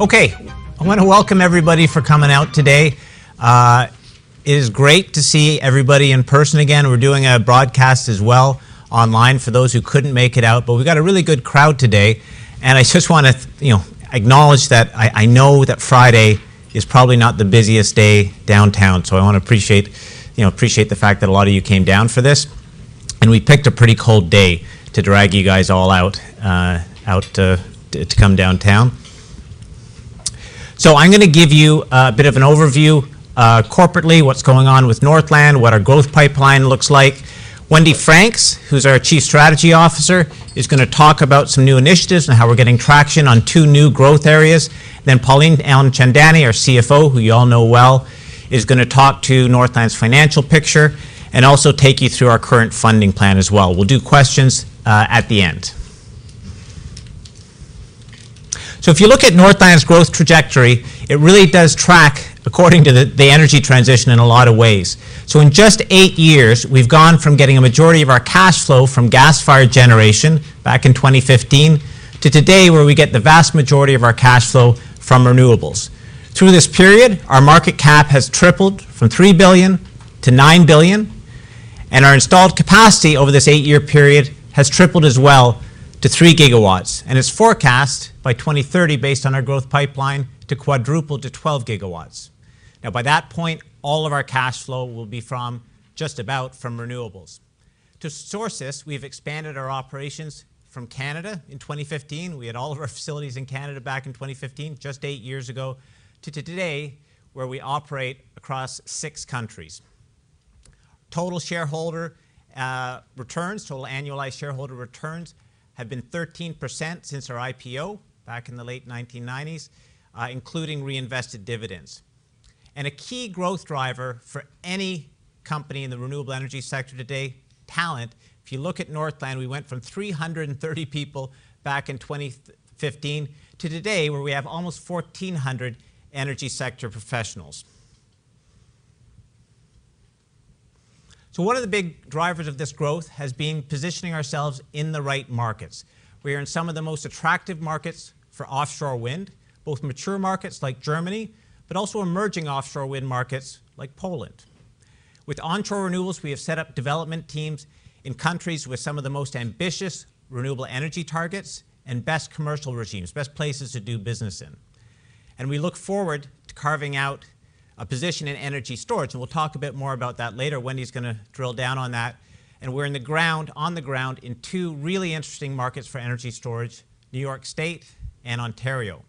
Okay. I want to welcome everybody for coming out today. It is great to see everybody in person again. We've got a really good crowd today, and I just wanna, you know, acknowledge that I know that Friday is probably not the busiest day downtown, so I wanna appreciate, you know, appreciate the fact that a lot of you came down for this. We picked a pretty cold day to drag you guys all out to come downtown. I'm gonna give you a bit of an overview, corporately, what's going on with Northland, what our growth pipeline looks like. Wendy Franks, who's our Chief Strategy Officer, is gonna talk about some new initiatives and how we're getting traction on two new growth areas. Pauline Alimchandani, our CFO, who you all know well, is going to talk to Northland's financial picture and also take you through our current funding plan as well. We'll do questions at the end. If you look at Northland's growth trajectory, it really does track according to the energy transition in a lot of ways. In just eight years, we've gone from getting a majority of our cash flow from gas-fired generation back in 2015 to today, where we get the vast majority of our cash flow from renewables. Through this period, our market cap has tripled from 3 billion to 9 billion, and our installed capacity over this eight-year period has tripled as well to 3 GW. It's forecast by 2030, based on our growth pipeline, to quadruple to 12 GW. By that point, all of our cash flow will be from, just about from renewables. To source this, we've expanded our operations from Canada in 2015. We had all of our facilities in Canada back in 2015, just eight years ago, to today, where we operate across six countries. Total shareholder returns, total annualized shareholder returns, have been 13% since our IPO back in the late 1990s, including reinvested dividends. A key growth driver for any company in the renewable energy sector today, talent. If you look at Northland, we went from 330 people back in 2015 to today, where we have almost 1,400 energy sector professionals. One of the big drivers of this growth has been positioning ourselves in the right markets. We are in some of the most attractive markets for offshore wind, both mature markets like Germany, but also emerging offshore wind markets like Poland. With onshore renewables, we have set up development teams in countries with some of the most ambitious renewable energy targets and best commercial regimes, best places to do business in. We look forward to carving out a position in energy storage, and we'll talk a bit more about that later. Wendy's gonna drill down on that. We're in the ground, on the ground in two really interesting markets for energy storage: New York State and Ontario.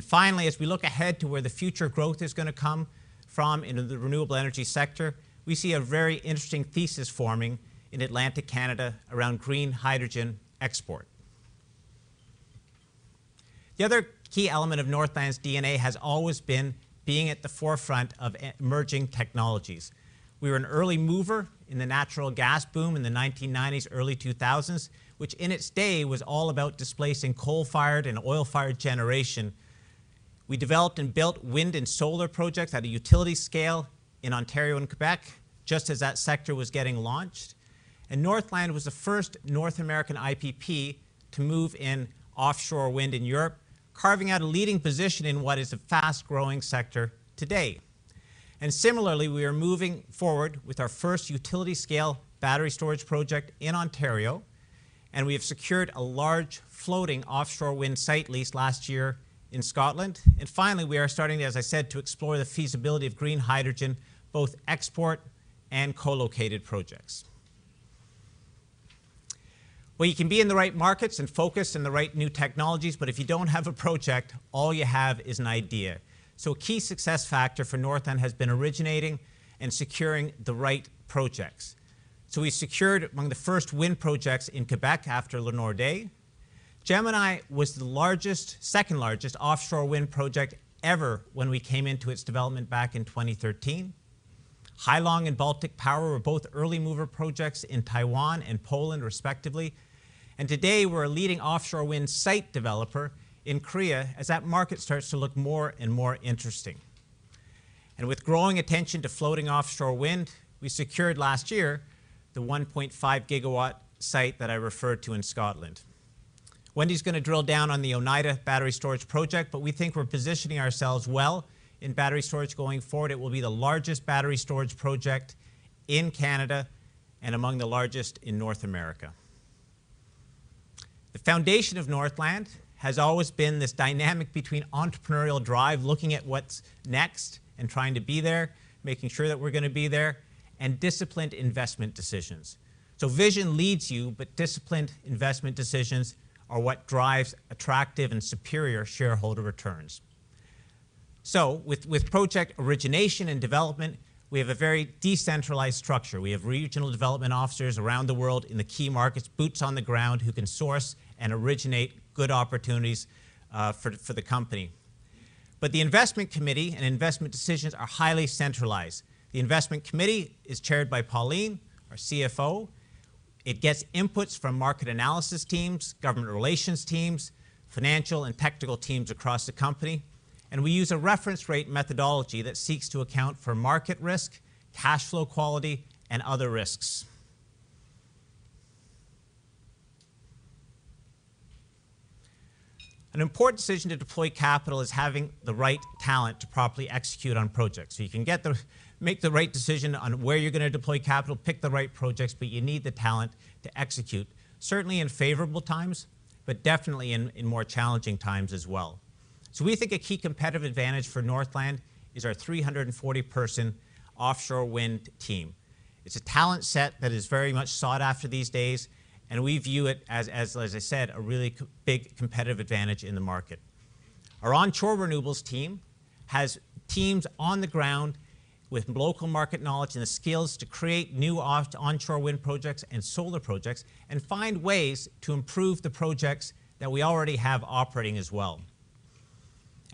Finally, as we look ahead to where the future growth is gonna come from in the renewable energy sector, we see a very interesting thesis forming in Atlantic Canada around green hydrogen export. The other key element of Northland's DNA has always been being at the forefront of emerging technologies. We were an early mover in the natural gas boom in the 1990s, early 2000s, which in its day was all about displacing coal-fired and oil-fired generation. We developed and built wind and solar projects at a utility scale in Ontario and Quebec, just as that sector was getting launched. Northland was the first North American IPP to move in offshore wind in Europe, carving out a leading position in what is a fast-growing sector today. Similarly, we are moving forward with our first utility-scale battery storage project in Ontario, and we have secured a large floating offshore wind site lease last year in Scotland. Finally, we are starting, as I said, to explore the feasibility of green hydrogen, both export and co-located projects. You can be in the right markets and focused in the right new technologies, but if you don't have a project, all you have is an idea. A key success factor for Northland has been originating and securing the right projects. We secured among the first wind projects in Quebec after Le Nordais. Gemini was the largest, second-largest offshore wind project ever when we came into its development back in 2013. Hai Long and Baltic Power were both early mover projects in Taiwan and Poland, respectively. Today, we're a leading offshore wind site developer in Korea as that market starts to look more and more interesting. With growing attention to floating offshore wind, we secured last year the 1.5 GW site that I referred to in Scotland. Wendy's gonna drill down on the Oneida Energy Storage Project, we think we're positioning ourselves well in battery storage going forward. It will be the largest battery storage project in Canada and among the largest in North America. The foundation of Northland has always been this dynamic between entrepreneurial drive, looking at what's next and trying to be there, making sure that we're gonna be there, and disciplined investment decisions. Vision leads you, disciplined investment decisions are what drives attractive and superior shareholder returns. With project origination and development, we have a very decentralized structure. We have regional development officers around the world in the key markets, boots on the ground, who can source and originate good opportunities for the company. The investment committee and investment decisions are highly centralized. The investment committee is chaired by Pauline, our CFO. It gets inputs from market analysis teams, government relations teams, financial and technical teams across the company. We use a reference rate methodology that seeks to account for market risk, cash flow quality, and other risks. An important decision to deploy capital is having the right talent to properly execute on projects. You can make the right decision on where you're gonna deploy capital, pick the right projects, but you need the talent to execute, certainly in favorable times, but definitely in more challenging times as well. We think a key competitive advantage for Northland is our 340-person offshore wind team. It's a talent set that is very much sought after these days, and we view it as I said, a really big competitive advantage in the market. Our onshore renewables team has teams on the ground with local market knowledge and the skills to create new onshore wind projects and solar projects, and find ways to improve the projects that we already have operating as well.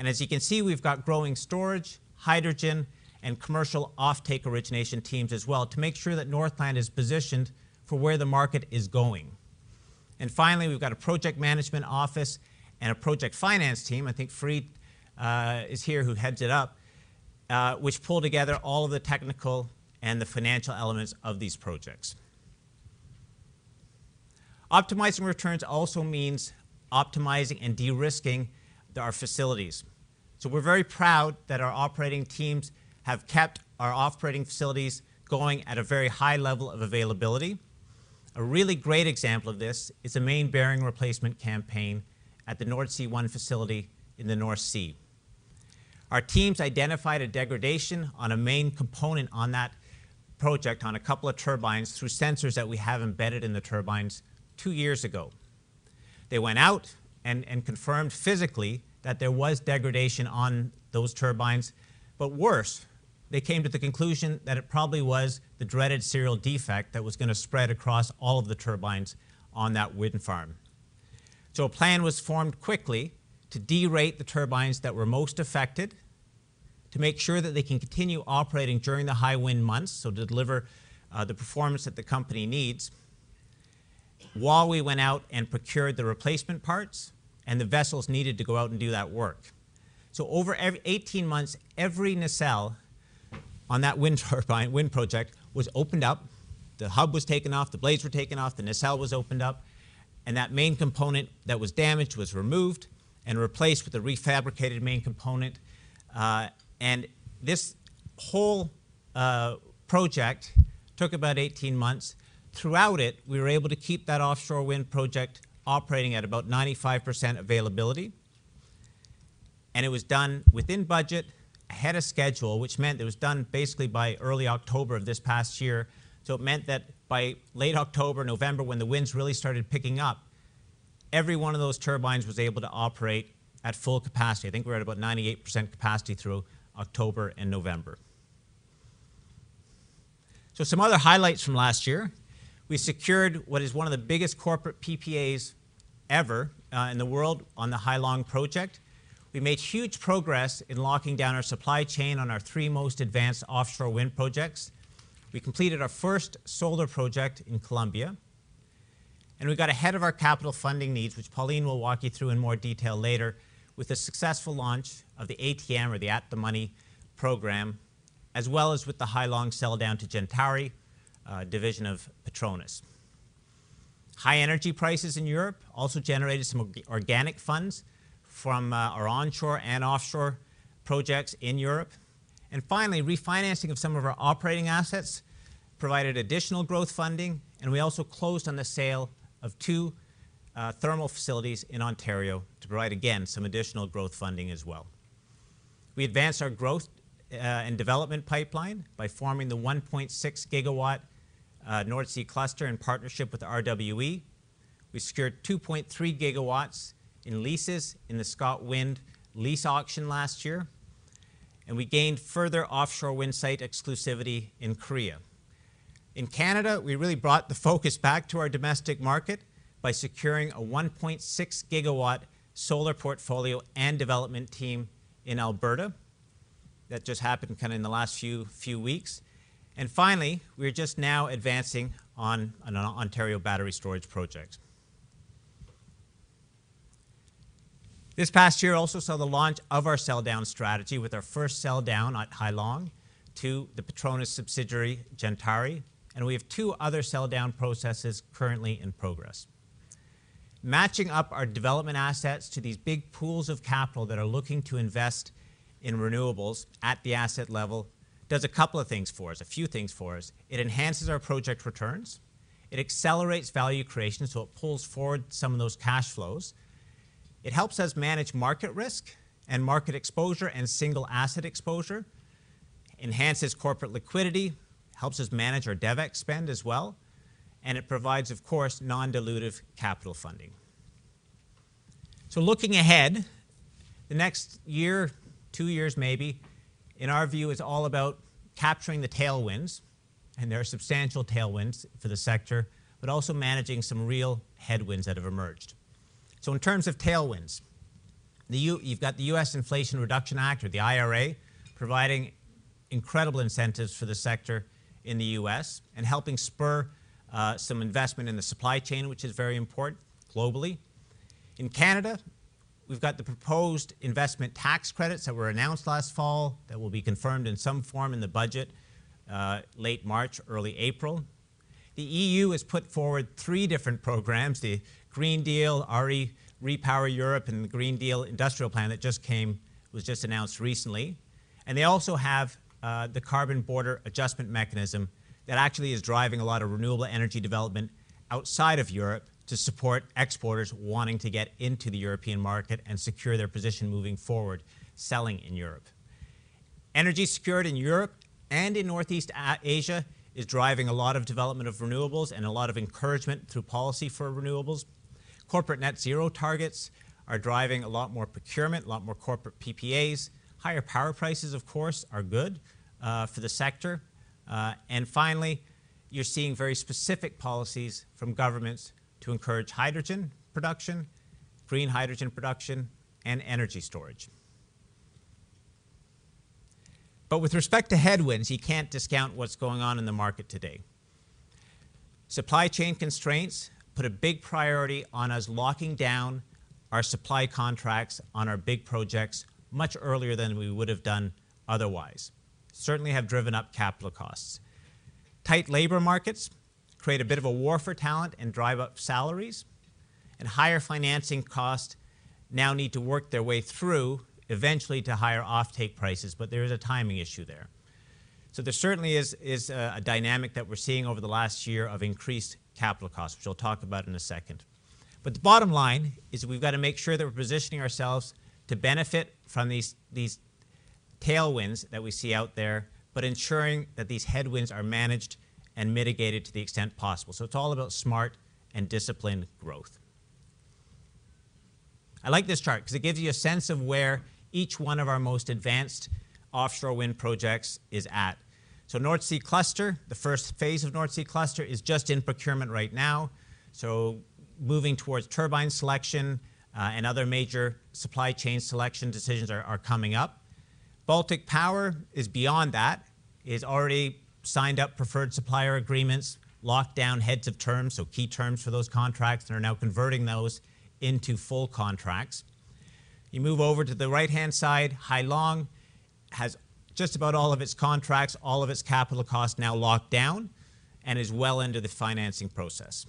As you can see, we've got growing storage, hydrogen, and commercial offtake origination teams as well to make sure that Northland is positioned for where the market is going. Finally, we've got a project management office and a project finance team, I think Free is here who heads it up, which pull together all of the technical and the financial elements of these projects. Optimizing returns also means optimizing and de-risking our facilities. We're very proud that our operating teams have kept our operating facilities going at a very high level of availability. A really great example of this is a main bearing replacement campaign at the Nordsee One facility in the North Sea. Our teams identified a degradation on a main component on that project on a couple of turbines through sensors that we have embedded in the turbines two years ago. They went out and confirmed physically that there was degradation on those turbines. Worse, they came to the conclusion that it probably was the dreaded serial defect that was gonna spread across all of the turbines on that wind farm. A plan was formed quickly to derate the turbines that were most affected to make sure that they can continue operating during the high wind months, so deliver the performance that the company needs, while we went out and procured the replacement parts and the vessels needed to go out and do that work. Over 18 months, every nacelle on that wind turbine, wind project was opened up. The hub was taken off, the blades were taken off, the nacelle was opened up, and that main component that was damaged was removed and replaced with a refabricated main component. This whole project took about 18 months. Throughout it, we were able to keep that offshore wind project operating at about 95% availability. It was done within budget, ahead of schedule, which meant it was done basically by early October of this past year. It meant that by late October, November, when the winds really started picking up, every one of those turbines was able to operate at full capacity. I think we're at about 98% capacity through October and November. Some other highlights from last year. We secured what is one of the biggest corporate PPAs ever in the world on the Hai Long project. We made huge progress in locking down our three most advanced offshore wind projects. We completed our first solar project in Colombia. We got ahead of our capital funding needs, which Pauline will walk you through in more detail later, with the successful launch of the ATM or the At-the-Market program, as well as with the Hai Long sell down to Gentari, division of PETRONAS. High energy prices in Europe also generated some organic funds from our onshore and offshore projects in Europe. Finally, refinancing of some of our operating assets provided additional growth funding, and we also closed on the sale of two thermal facilities in Ontario to provide, again, some additional growth funding as well. We advanced our growth, and development pipeline by forming the 1.6 GW Nordseecluster in partnership with RWE. We secured 2.3 GW in leases in the ScotWind lease auction last year. We gained further offshore wind site exclusivity in Korea. In Canada, we really brought the focus back to our domestic market by securing a 1.6 GW solar portfolio and development team in Alberta. That just happened in the last few weeks. Finally, we're just now advancing on an Ontario battery storage project. This past year also saw the launch of our sell down strategy with our first sell down at Hai Long to the PETRONAS subsidiary, Gentari, and we have two other sell down processes currently in progress. Matching up our development assets to these big pools of capital that are looking to invest in renewables at the asset level does a couple of things for us, a few things for us. It enhances our project returns. It accelerates value creation, so it pulls forward some of those cash flows. It helps us manage market risk and market exposure and single asset exposure, enhances corporate liquidity, helps us manage our DevEx spend as well, and it provides, of course, non-dilutive capital funding. Looking ahead, the next one year, two years maybe, in our view, is all about capturing the tailwinds, and there are substantial tailwinds for the sector. Also managing some real headwinds that have emerged. In terms of tailwinds, you've got the U.S. Inflation Reduction Act or the IRA, providing incredible incentives for the sector in the U.S. and helping spur some investment in the supply chain, which is very important globally. In Canada, we've got the proposed investment tax credits that were announced last fall that will be confirmed in some form in the budget late March, early April. The EU has put forward three different programs, the Green Deal, REPowerEU, and the Green Deal Industrial Plan that was just announced recently. They also have the Carbon Border Adjustment Mechanism that actually is driving a lot of renewable energy development outside of Europe to support exporters wanting to get into the European market and secure their position moving forward, selling in Europe. Energy security in Europe and in Northeast Asia is driving a lot of development of renewables and a lot of encouragement through policy for renewables. corporate net zero targets are driving a lot more procurement, a lot more corporate PPAs. Higher power prices, of course, are good for the sector. Finally, you're seeing very specific policies from governments to encourage hydrogen production, green hydrogen production, and energy storage. With respect to headwinds, you can't discount what's going on in the market today. Supply chain constraints put a big priority on us locking down our supply contracts on our big projects much earlier than we would have done otherwise. Certainly have driven up capital costs. Tight labor markets create a bit of a war for talent and drive up salaries. Higher financing costs now need to work their way through eventually to higher offtake prices, but there is a timing issue there. There certainly is a dynamic that we're seeing over the last year of increased capital costs, which I'll talk about in a second. The bottom line is we've gotta make sure that we're positioning ourselves to benefit from these tailwinds that we see out there but ensuring that these headwinds are managed and mitigated to the extent possible. It's all about smart and disciplined growth. I like this chart 'cause it gives you a sense of where each one of our most advanced offshore wind projects is at. Nordseecluster, the first phase of Nordseecluster is just in procurement right now, so moving towards turbine selection, and other major supply chain selection decisions are coming up. Baltic Power is beyond that, is already signed up preferred supplier agreements, locked down heads of terms, so key terms for those contracts, and are now converting those into full contracts. You move over to the right-hand side, Hai Long has just about all of its contracts, all of its capital costs now locked down, and is well into the financing process.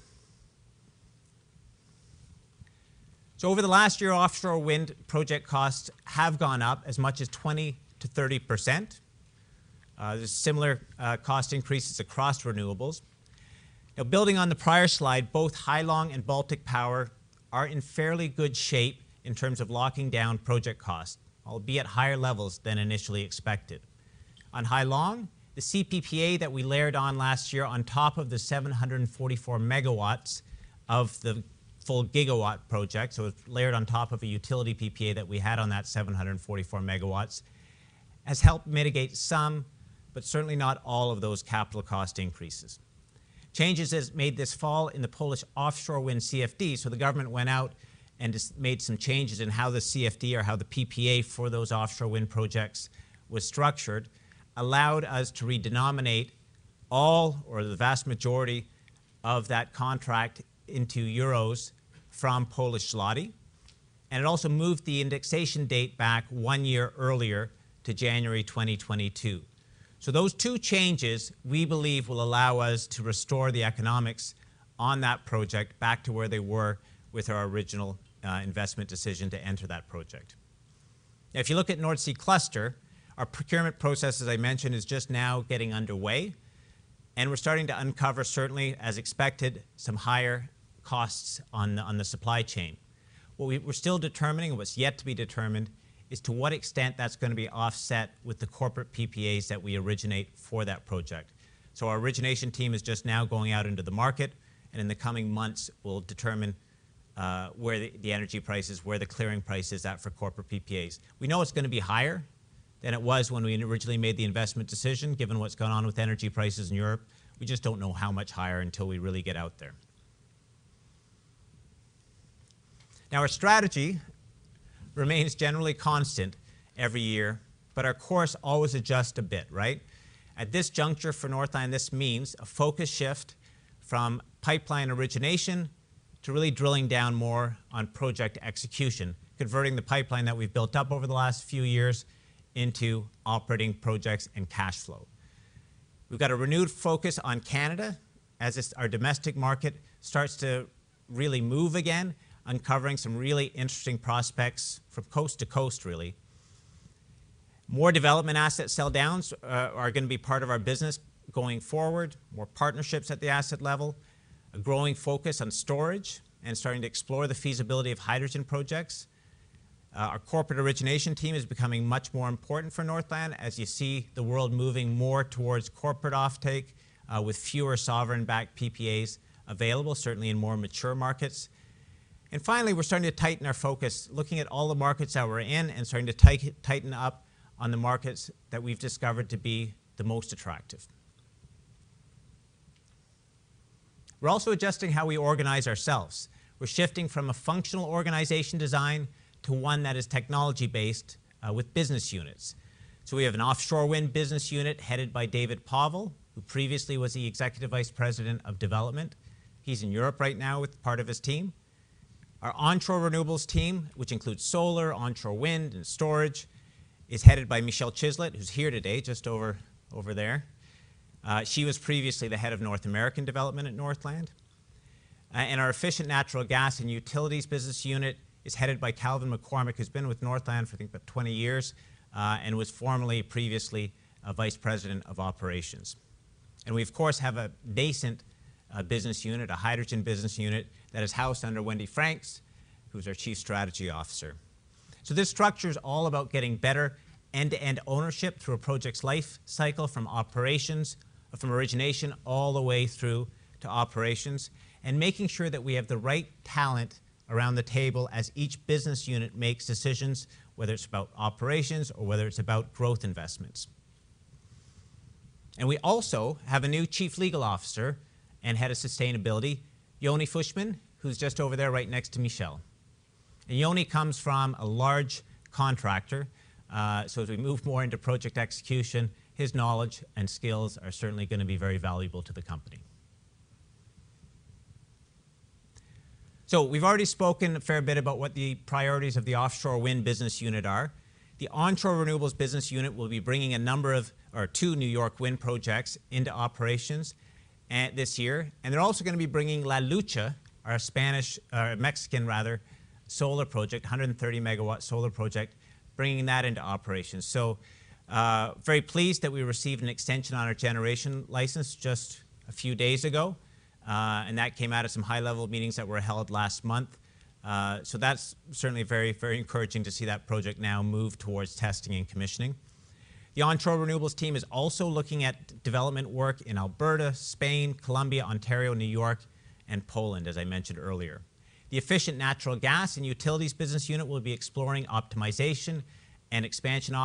Over the last year, offshore wind project costs have gone up as much as 20%-30%. There's similar cost increases across renewables. Building on the prior slide, both Hai Long and Baltic Power are in fairly good shape in terms of locking down project costs, albeit higher levels than initially expected. On Hai Long, the CPPA that we layered on last year on top of the 744 MW of the full 1 GW project, so it's layered on top of a utility PPA that we had on that 744 MW, has helped mitigate some, but certainly not all of those capital cost increases. Changes as made this fall in the Polish offshore wind CFD, so the government went out and just made some changes in how the CFD or how the PPA for those offshore wind projects was structured, allowed us to redenominate all or the vast majority of that contract into euros from Polish zloty. It also moved the indexation date back one year earlier to January 2022. Those two changes, we believe, will allow us to restore the economics on that project back to where they were with our original investment decision to enter that project. If you look at Nordseecluster, our procurement process, as I mentioned, is just now getting underway, and we're starting to uncover certainly, as expected, some higher costs on the supply chain. What we're still determining, what's yet to be determined is to what extent that's gonna be offset with the corporate PPAs that we originate for that project. Our origination team is just now going out into the market, and in the coming months will determine where the energy price is, where the clearing price is at for corporate PPAs. We know it's gonna be higher than it was when we originally made the investment decision, given what's gone on with energy prices in Europe. We just don't know how much higher until we really get out there. Now our strategy remains generally constant every year, but our course always adjusts a bit, right? At this juncture for Northland, this means a focus shift from pipeline origination to really drilling down more on project execution, converting the pipeline that we've built up over the last few years into operating projects and cash flow. We've got a renewed focus on Canada as our domestic market starts to really move again, uncovering some really interesting prospects from coast to coast, really. More development asset sell downs are gonna be part of our business going forward, more partnerships at the asset level, a growing focus on storage, and starting to explore the feasibility of hydrogen projects. Our corporate origination team is becoming much more important for Northland as you see the world moving more towards corporate offtake, with fewer sovereign-backed PPAs available, certainly in more mature markets. Finally, we're starting to tighten our focus, looking at all the markets that we're in and starting to tighten up on the markets that we've discovered to be the most attractive. We're also adjusting how we organize ourselves. We're shifting from a functional organization design to one that is technology-based, with business units. We have an offshore wind business unit headed by David Povall, who previously was the Executive Vice President of Development. He's in Europe right now with part of his team. Our onshore renewables team, which includes solar, onshore wind, and storage, is headed by Michelle Chislett, who's here today just over there. She was previously the head of North American Development at Northland. Our efficient natural gas and utilities business unit is headed by Calvin MacCormack, who's been with Northland for I think about 20 years and was formerly previously Vice President of Operations. We, of course, have a nascent, a business unit, a hydrogen business unit that is housed under Wendy Franks, who's our Chief Strategy Officer. This structure is all about getting better end-to-end ownership through a project's life cycle from operations or from origination all the way through to operations and making sure that we have the right talent around the table as each business unit makes decisions, whether it's about operations or whether it's about growth investments. We also have a new Chief Legal Officer and Head of Sustainability, Yonni Fushman, who's just over there right next to Michelle. Yonni comes from a large contractor, so as we move more into project execution, his knowledge and skills are certainly gonna be very valuable to the company. We've already spoken a fair bit about what the priorities of the offshore wind business unit are. The onshore renewables business unit will be bringing a number of or two New York wind projects into operations this year. They're also gonna be bringing La Lucha, our Spanish, or Mexican rather, solar project, a 130 MW solar project, bringing that into operation. Very pleased that we received an extension on our generation license just a few days ago, and that came out of some high-level meetings that were held last month. That's certainly very, very encouraging to see that project now move towards testing and commissioning. The onshore renewables team is also looking at development work in Alberta, Spain, Colombia, Ontario, New York, and Poland, as I mentioned earlier. The efficient natural gas and utilities business unit will be exploring optimization and expansion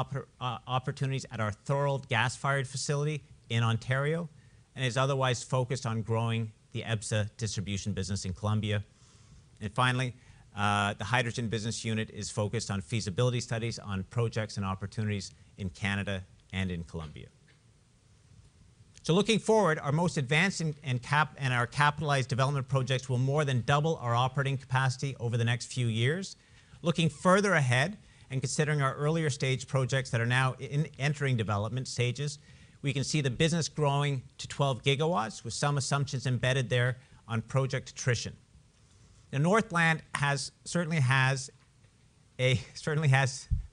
opportunities at our Thorold gas-fired facility in Ontario and is otherwise focused on growing the EBSA distribution business in Colombia. Finally, the hydrogen business unit is focused on feasibility studies on projects and opportunities in Canada and in Colombia. Looking forward, our most advanced and our capitalized development projects will more than double our operating capacity over the next few years. Looking further ahead and considering our earlier stage projects that are now entering development stages, we can see the business growing to 12 GW, with some assumptions embedded there on project attrition. Northland has.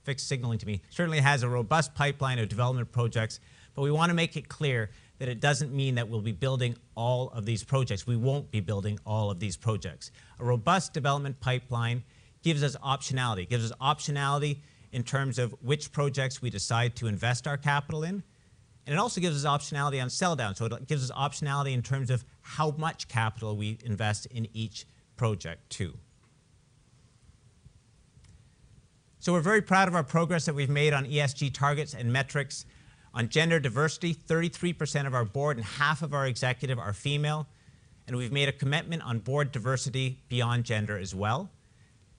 Fixed signaling to me. Certainly has a robust pipeline of development projects, but we want to make it clear that it doesn't mean that we'll be building all of these projects. We won't be building all of these projects. A robust development pipeline gives us optionality. It gives us optionality in terms of which projects we decide to invest our capital in, and it also gives us optionality on sell down. It gives us optionality in terms of how much capital we invest in each project too. We're very proud of our progress that we've made on ESG targets and metrics. On gender diversity, 33% of our board and half of our executive are female, and we've made a commitment on board diversity beyond gender as well.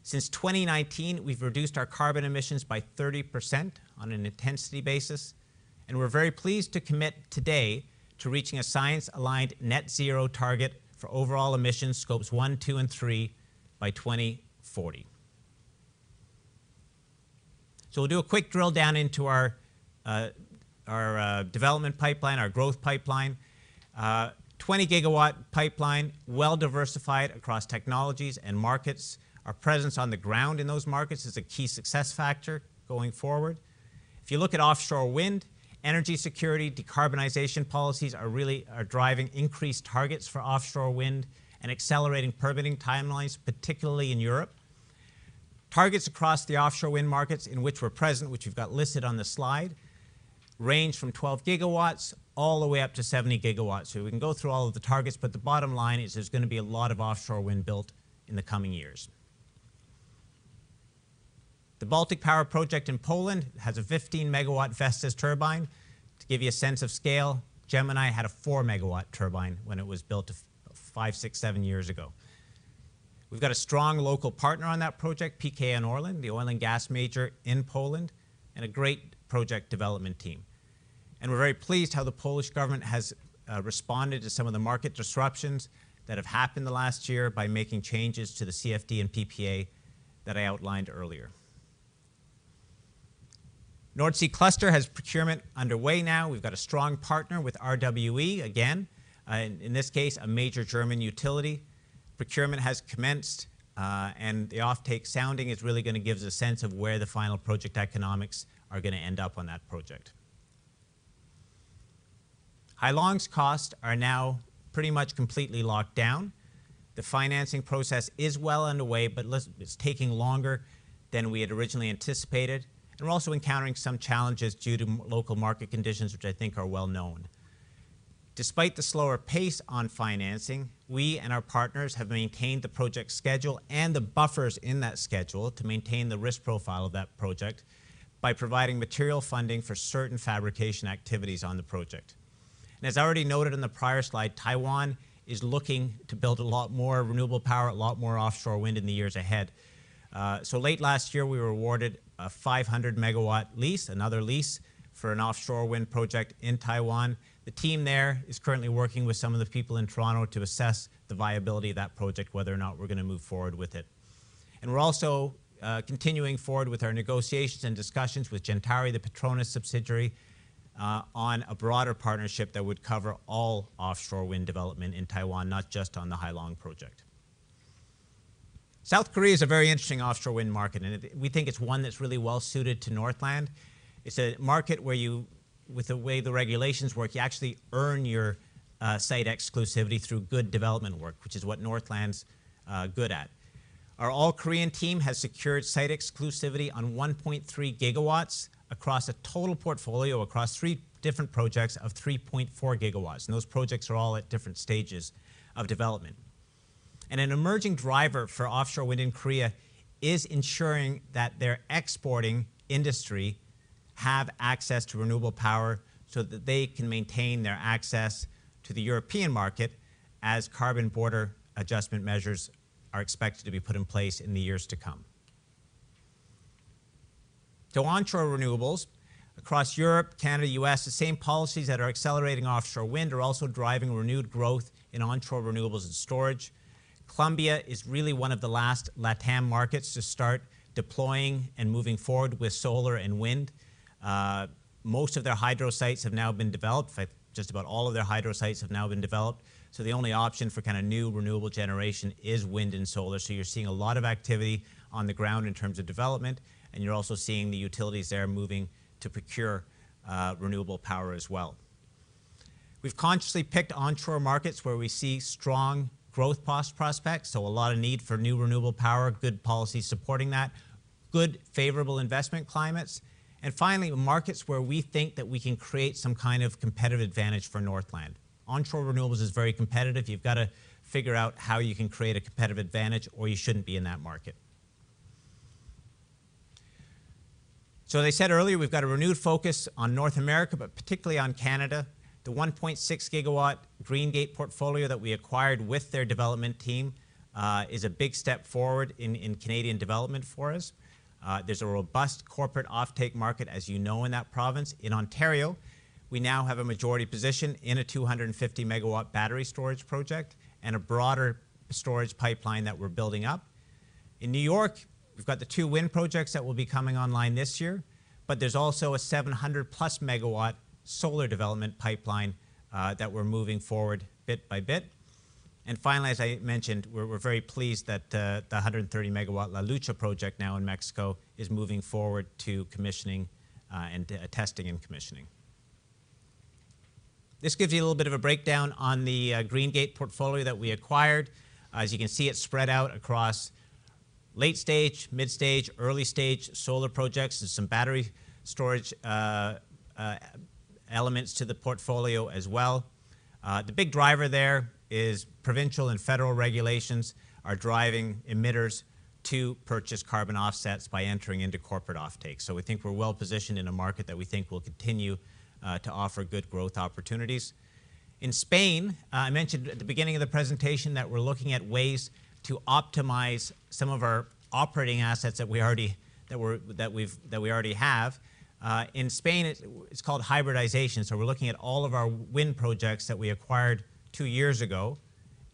Since 2019, we've reduced our carbon emissions by 30% on an intensity basis, and we're very pleased to commit today to reaching a science-aligned net zero target for overall emission scopes one, two, and three by 2040. We'll do a quick drill down into our development pipeline, our growth pipeline. 20 GW pipeline, well diversified across technologies and markets. Our presence on the ground in those markets is a key success factor going forward. If you look at offshore wind, energy security, decarbonization policies are really driving increased targets for offshore wind and accelerating permitting timelines, particularly in Europe. Targets across the offshore wind markets in which we're present, which we've got listed on the slide, range from 12 GW all the way up to 70 GW. We can go through all of the targets, but the bottom line is there's gonna be a lot of offshore wind built in the coming years. The Baltic Power project in Poland has a 15 MW Vestas turbine. To give you a sense of scale, Gemini had a 4 MW turbine when it was built five, six, seven years ago. We've got a strong local partner on that project, PKN ORLEN, the oil and gas major in Poland, and a great project development team. We're very pleased how the Polish government has responded to some of the market disruptions that have happened the last year by making changes to the CFD and PPA that I outlined earlier. Nordseecluster has procurement underway now. We've got a strong partner with RWE, again, in this case, a major German utility. Procurement has commenced, and the offtake sounding is really gonna give us a sense of where the final project economics are gonna end up on that project. Hai Long's costs are now pretty much completely locked down. The financing process is well underway, it's taking longer than we had originally anticipated. We're also encountering some challenges due to local market conditions, which I think are well known. Despite the slower pace on financing, we and our partners have maintained the project schedule and the buffers in that schedule to maintain the risk profile of that project by providing material funding for certain fabrication activities on the project. As I already noted in the prior slide, Taiwan is looking to build a lot more renewable power, a lot more offshore wind in the years ahead. Late last year, we were awarded a 500 MW lease, another lease for an offshore wind project in Taiwan. The team there is currently working with some of the people in Toronto to assess the viability of that project, whether or not we're gonna move forward with it. We're also continuing forward with our negotiations and discussions with Gentari, the PETRONAS subsidiary, on a broader partnership that would cover all offshore wind development in Taiwan, not just on the Hai Long project. South Korea is a very interesting offshore wind market, we think it's one that's really well-suited to Northland. It's a market where you, with the way the regulations work, you actually earn your site exclusivity through good development work, which is what Northland's good at. Our all-Korean team has secured site exclusivity on 1.3 GW across a total portfolio across three different projects of 3.4 GW, those projects are all at different stages of development. An emerging driver for offshore wind in Korea is ensuring that their exporting industry have access to renewable power so that they can maintain their access to the European market as Carbon Border Adjustment Measures are expected to be put in place in the years to come. Onshore renewables across Europe, Canada, U.S., the same policies that are accelerating offshore wind are also driving renewed growth in onshore renewables and storage. Colombia is really one of the last LatAm markets to start deploying and moving forward with solar and wind. Most of their hydro sites have now been developed. In fact, just about all of their hydro sites have now been developed, so the only option for kinda new renewable generation is wind and solar. You're seeing a lot of activity on the ground in terms of development, and you're also seeing the utilities there moving to procure renewable power as well. We've consciously picked onshore markets where we see strong growth prospects, so a lot of need for new renewable power, good policy supporting that, good favorable investment climates, and finally, markets where we think that we can create some kind of competitive advantage for Northland. Onshore renewables is very competitive. You've gotta figure out how you can create a competitive advantage, or you shouldn't be in that market. As I said earlier, we've got a renewed focus on North America, but particularly on Canada. The 1.6 GW Greengate portfolio that we acquired with their development team is a big step forward in Canadian development for us. There's a robust corporate offtake market, as you know, in that province. In Ontario, we now have a majority position in a 250 MW battery storage project and a broader storage pipeline that we're building up. In New York, we've got the two wind projects that will be coming online this year, but there's also a 700+ MW solar development pipeline that we're moving forward bit by bit. Finally, as I mentioned, we're very pleased that the 130 MW La Lucha project now in Mexico is moving forward to commissioning and testing and commissioning. This gives you a little bit of a breakdown on the Greengate portfolio that we acquired. As you can see, it's spread out across late stage, mid stage, early-stage solar projects. There's some battery storage elements to the portfolio as well. The big driver there is provincial and federal regulations are driving emitters to purchase carbon offsets by entering into corporate offtake. We think we're well-positioned in a market that we think will continue to offer good growth opportunities. In Spain, I mentioned at the beginning of the presentation that we're looking at ways to optimize some of our operating assets that we already have. In Spain, it's called hybridization, so we're looking at all of our wind projects that we acquired two years ago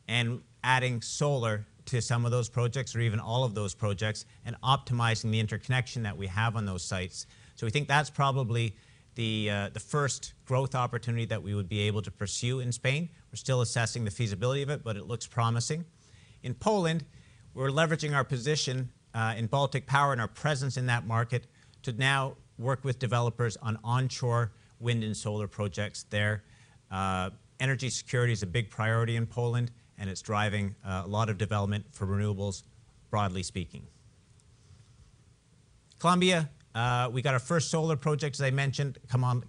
and adding solar to some of those projects or even all of those projects and optimizing the interconnection that we have on those sites. We think that's probably the first growth opportunity that we would be able to pursue in Spain. We're still assessing the feasibility of it, but it looks promising. In Poland, we're leveraging our position in Baltic Power and our presence in that market to now work with developers on onshore wind and solar projects there. Energy security is a big priority in Poland, and it's driving a lot of development for renewables, broadly speaking. Colombia, we got our first solar project, as I mentioned,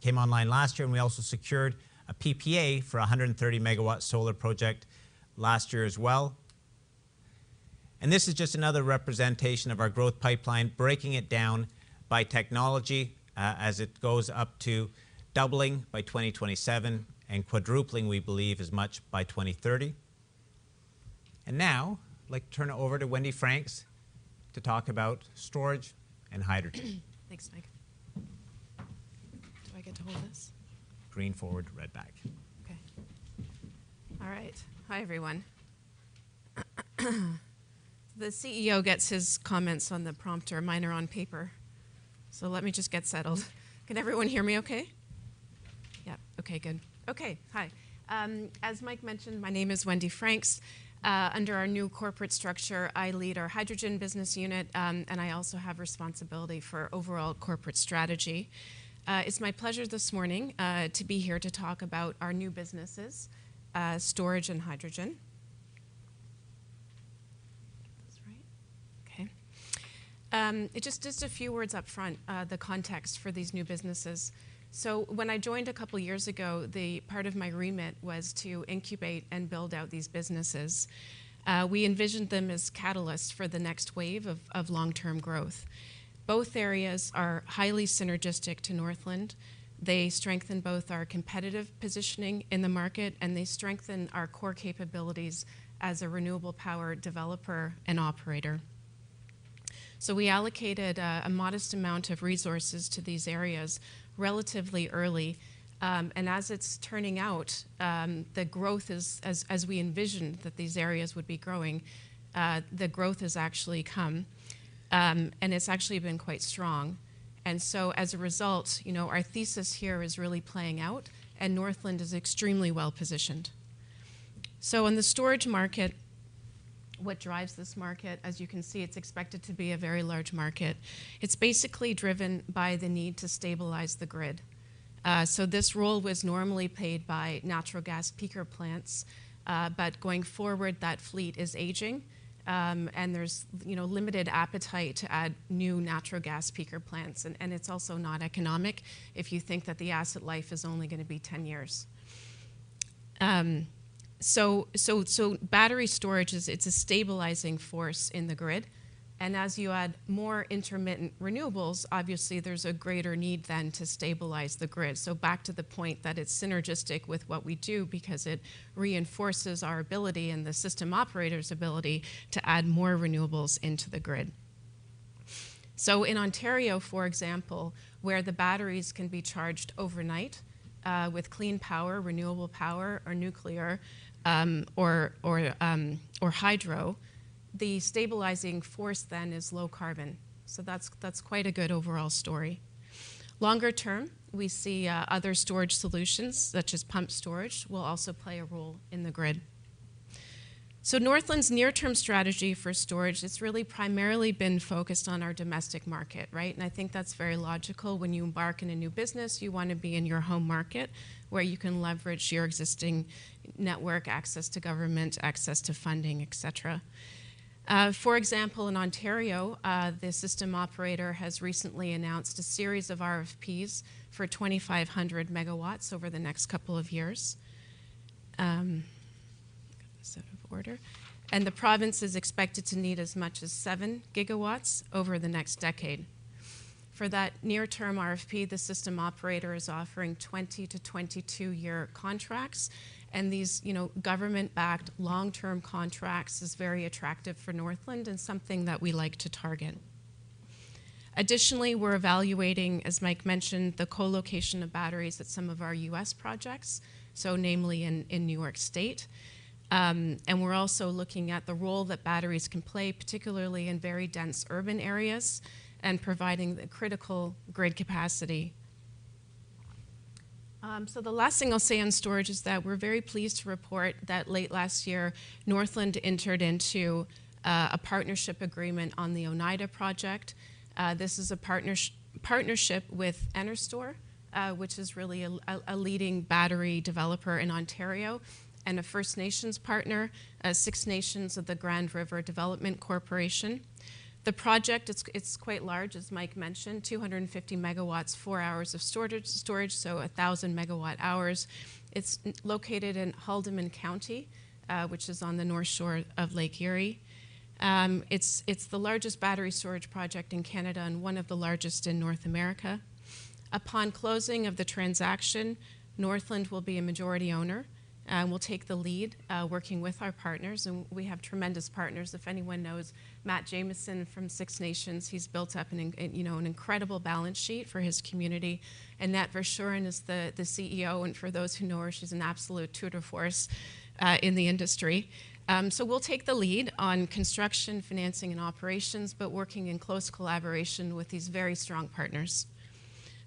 came online last year, and we also secured a PPA for a 130 MW solar project last year as well. This is just another representation of our growth pipeline, breaking it down by technology as it goes up to doubling by 2027 and quadrupling, we believe, as much by 2030. Now I'd like to turn it over to Wendy Franks to talk about storage and hydrogen. Thanks, Mike. Do I get to hold this? Green forward, red back. Okay. All right. Hi, everyone. The CEO gets his comments on the prompter. Mine are on paper. Let me just get settled. Can everyone hear me okay? Yeah. Okay, good. Okay. Hi. As Mike mentioned, my name is Wendy Franks. Under our new corporate structure, I lead our hydrogen business unit, and I also have responsibility for overall corporate strategy. It's my pleasure this morning to be here to talk about our new businesses, storage and hydrogen. Okay. Just a few words up front, the context for these new businesses. When I joined a couple years ago, the part of my remit was to incubate and build out these businesses. We envisioned them as catalysts for the next wave of long-term growth. Both areas are highly synergistic to Northland. They strengthen both our competitive positioning in the market and they strengthen our core capabilities as a renewable power developer and operator. We allocated a modest amount of resources to these areas relatively early, as it's turning out, the growth is as we envisioned that these areas would be growing, the growth has actually come, and it's actually been quite strong. As a result, you know, our thesis here is really playing out, Northland is extremely well-positioned. In the storage market, what drives this market, as you can see, it's expected to be a very large market. It's basically driven by the need to stabilize the grid. This role was normally paid by natural gas peaker plants, but going forward, that fleet is aging, and there's, you know, limited appetite to add new natural gas peaker plants. It's also not economic if you think that the asset life is only gonna be 10 years. Battery storage is a stabilizing force in the grid, and as you add more intermittent renewables, obviously there's a greater need then to stabilize the grid. Back to the point that it's synergistic with what we do because it reinforces our ability and the system operator's ability to add more renewables into the grid. In Ontario, for example, where the batteries can be charged overnight, with clean power, renewable power, or nuclear, or hydro, the stabilizing force then is low carbon. That's quite a good overall story. Longer term, we see other storage solutions, such as pumped storage, will also play a role in the grid. Northland's near-term strategy for storage, it's really primarily been focused on our domestic market, right? I think that's very logical. When you embark in a new business, you wanna be in your home market where you can leverage your existing network access to government, access to funding, et cetera. For example, in Ontario, the system operator has recently announced a series of RFPs for 2,500 MW over the next couple of years. Got this out of order. The province is expected to need as much as 7 GW over the next decade. For that near-term RFP, the system operator is offering 20 to 22 year contracts, and these, you know, government-backed long-term contracts is very attractive for Northland and something that we like to target. Additionally, we're evaluating, as Mike mentioned, the co-location of batteries at some of our U.S. projects, namely in New York State. We're also looking at the role that batteries can play, particularly in very dense urban areas, and providing the critical grid capacity. The last thing I'll say on storage is that we're very pleased to report that late last year, Northland entered into a partnership agreement on the Oneida project. This is a partnership with NRStor, which is really a leading battery developer in Ontario, and a First Nations partner, Six Nations of the Grand River Development Corporation. The project, it's quite large, as Mike mentioned, 250 MW, four hours of storage, 1,000 MWh. It's located in Haldimand County, which is on the north shore of Lake Erie. It's the largest battery storage project in Canada and one of the largest in North America. Upon closing of the transaction, Northland will be a majority owner, we'll take the lead working with our partners, we have tremendous partners. If anyone knows Matt Jamieson from Six Nations, he's built up you know, an incredible balance sheet for his community. Annette Verschuren is the CEO, for those who know her, she's an absolute tour de force in the industry. We'll take the lead on construction, financing, and operations, but working in close collaboration with these very strong partners.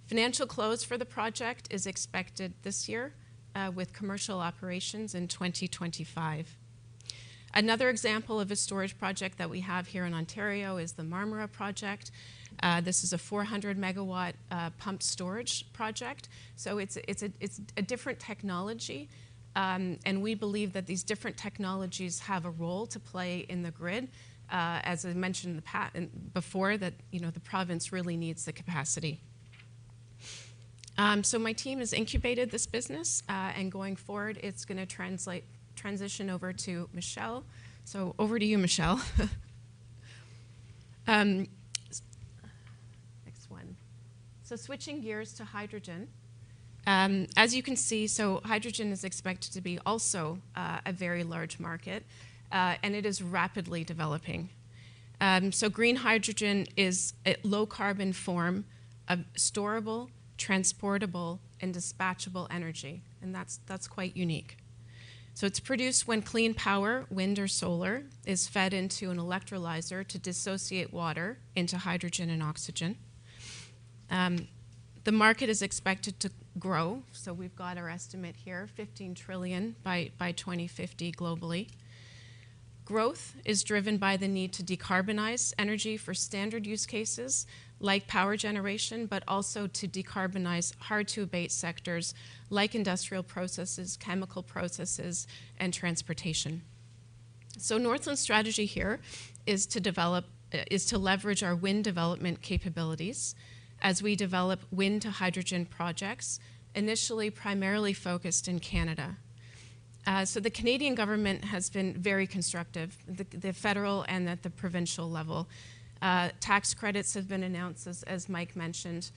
Financial close for the project is expected this year, with commercial operations in 2025. Another example of a storage project that we have here in Ontario is the Marmora project. This is a 400 MW pumped storage project, it's a different technology, and we believe that these different technologies have a role to play in the grid. As I mentioned before, that, you know, the province really needs the capacity. My team has incubated this business, going forward, it's going to transition over to Michelle. Over to you, Michelle. Next one. Switching gears to hydrogen. As you can see, hydrogen is expected to be also a very large market. It is rapidly developing. Green hydrogen is a low-carbon form of storable, transportable, and dispatchable energy, and that's quite unique. It's produced when clean power, wind or solar, is fed into an electrolyser to dissociate water into hydrogen and oxygen. The market is expected to grow. We've got our estimate here, $15 trillion by 2050 globally. Growth is driven by the need to decarbonize energy for standard use cases like power generation, but also to decarbonize hard-to-abate sectors like industrial processes, chemical processes, and transportation. Northland's strategy here is to leverage our wind development capabilities as we develop wind-to-hydrogen projects, initially primarily focused in Canada. The Canadian government has been very constructive, the federal and at the provincial level. Tax credits have been announced, as Mike mentioned.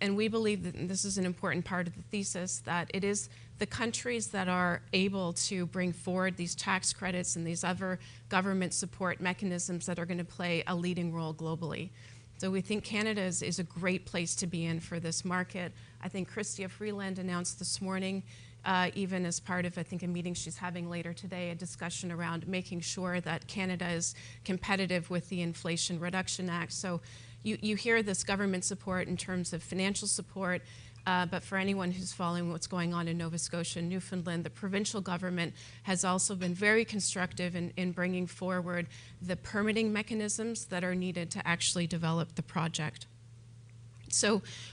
We believe that this is an important part of the thesis, that it is the countries that are able to bring forward these tax credits and these other government support mechanisms that are gonna play a leading role globally. We think Canada is a great place to be in for this market. Chrystia Freeland announced this morning, even as part of a meeting she's having later today, a discussion around making sure that Canada is competitive with the Inflation Reduction Act. You hear this government support in terms of financial support, but for anyone who's following what's going on in Nova Scotia and Newfoundland, the provincial government has also been very constructive in bringing forward the permitting mechanisms that are needed to actually develop the project.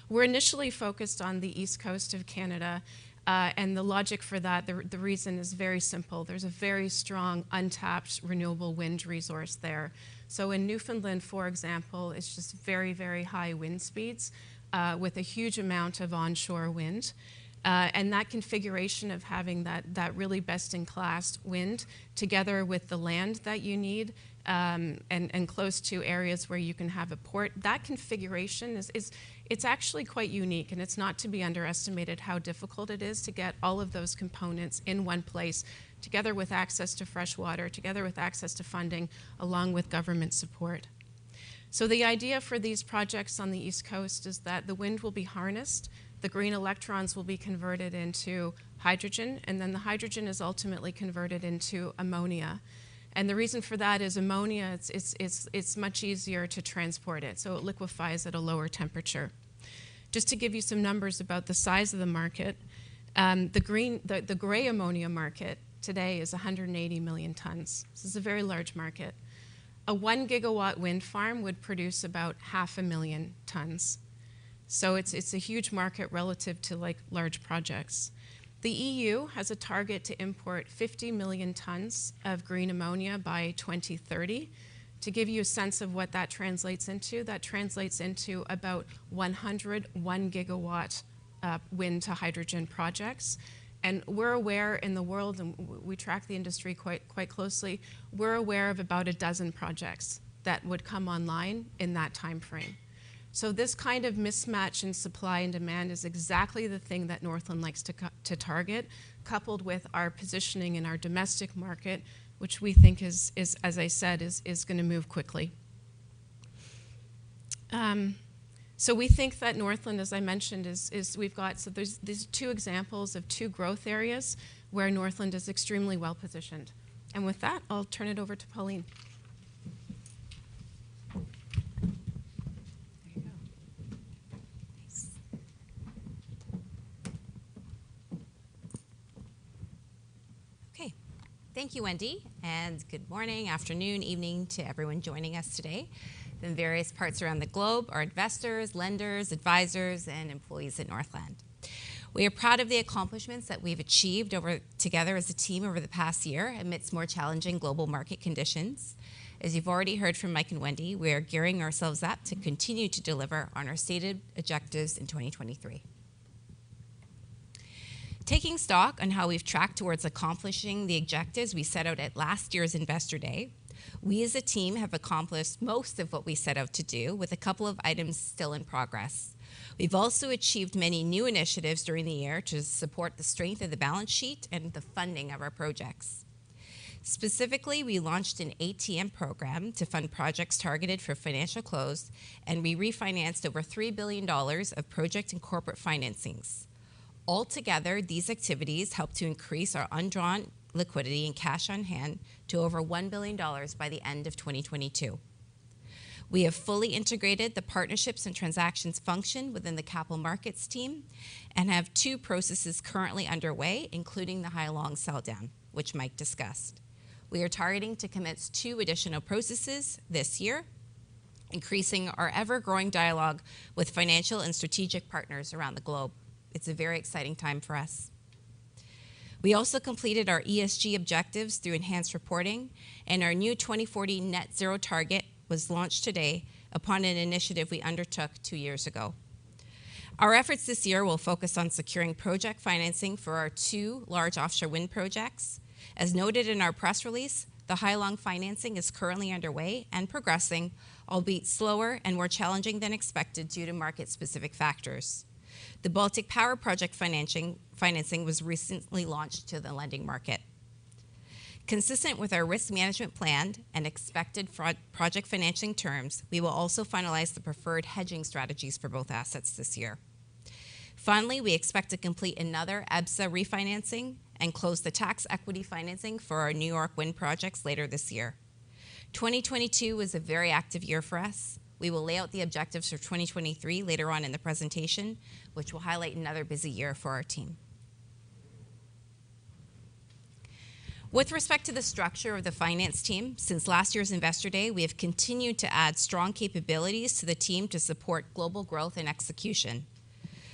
We're initially focused on the east coast of Canada. The logic for that, the reason is very simple. There's a very strong untapped renewable wind resource there. In Newfoundland, for example, it's just very high wind speeds with a huge amount of onshore wind. That configuration of having that really best-in-class wind together with the land that you need, and close to areas where you can have a port. That configuration is. It's actually quite unique, and it's not to be underestimated how difficult it is to get all of those components in one place together with access to fresh water, together with access to funding, along with government support. The idea for these projects on the east coast is that the wind will be harnessed, the green electrons will be converted into hydrogen, and then the hydrogen is ultimately converted into ammonia. The reason for that is ammonia, it's much easier to transport it, so it liquefies at a lower temperature. Just to give you some numbers about the size of the market, the gray ammonia market today is 180 million tons. This is a very large market. A 1 GW wind farm would produce about half a million tons, it's a huge market relative to, like, large projects. The EU has a target to import 50 million tons of green ammonia by 2030. To give you a sense of what that translates into, that translates into about 100 1-GW wind-to-hydrogen projects. We're aware in the world, we track the industry quite closely, we're aware of about a dozen projects that would come online in that timeframe. This kind of mismatch in supply and demand is exactly the thing that Northland likes to target, coupled with our positioning in our domestic market, which we think is, as I said, is gonna move quickly. We think that Northland, as I mentioned, is... There's two examples of two growth areas where Northland is extremely well-positioned. With that, I'll turn it over to Pauline. There you go. Thanks. Okay. Thank you, Wendy. Good morning, afternoon, evening to everyone joining us today in various parts around the globe, our investors, lenders, advisors, and employees at Northland. We are proud of the accomplishments that we've achieved together as a team over the past year amidst more challenging global market conditions. As you've already heard from Mike and Wendy, we are gearing ourselves up to continue to deliver on our stated objectives in 2023. Taking stock on how we've tracked towards accomplishing the objectives we set out at last year's Investor Day, we as a team have accomplished most of what we set out to do, with a couple of items still in progress. We've also achieved many new initiatives during the year to support the strength of the balance sheet and the funding of our projects. Specifically, we launched an ATM program to fund projects targeted for financial close, and we refinanced over $3 billion of project and corporate financings. Altogether, these activities helped to increase our undrawn liquidity and cash on hand to over $1 billion by the end of 2022. We have fully integrated the partnerships and transactions function within the capital markets team and have two processes currently underway, including the Hai Long sell-down, which Mike discussed. We are targeting to commence two additional processes this year, increasing our ever-growing dialogue with financial and strategic partners around the globe. It's a very exciting time for us. We also completed our ESG objectives through enhanced reporting, and our new 2040 net zero target was launched today upon an initiative we undertook two years ago. Our efforts this year will focus on securing project financing for our two large offshore wind projects. As noted in our press release, the Hai Long financing is currently underway and progressing, albeit slower and more challenging than expected due to market-specific factors. The Baltic Power project financing was recently launched to the lending market. Consistent with our risk management plan and expected project financing terms, we will also finalize the preferred hedging strategies for both assets this year. Finally, we expect to complete another EBSA refinancing and close the tax equity financing for our New York wind projects later this year. 2022 was a very active year for us. We will lay out the objectives for 2023 later on in the presentation, which will highlight another busy year for our team. With respect to the structure of the finance team, since last year's Investor Day, we have continued to add strong capabilities to the team to support global growth and execution.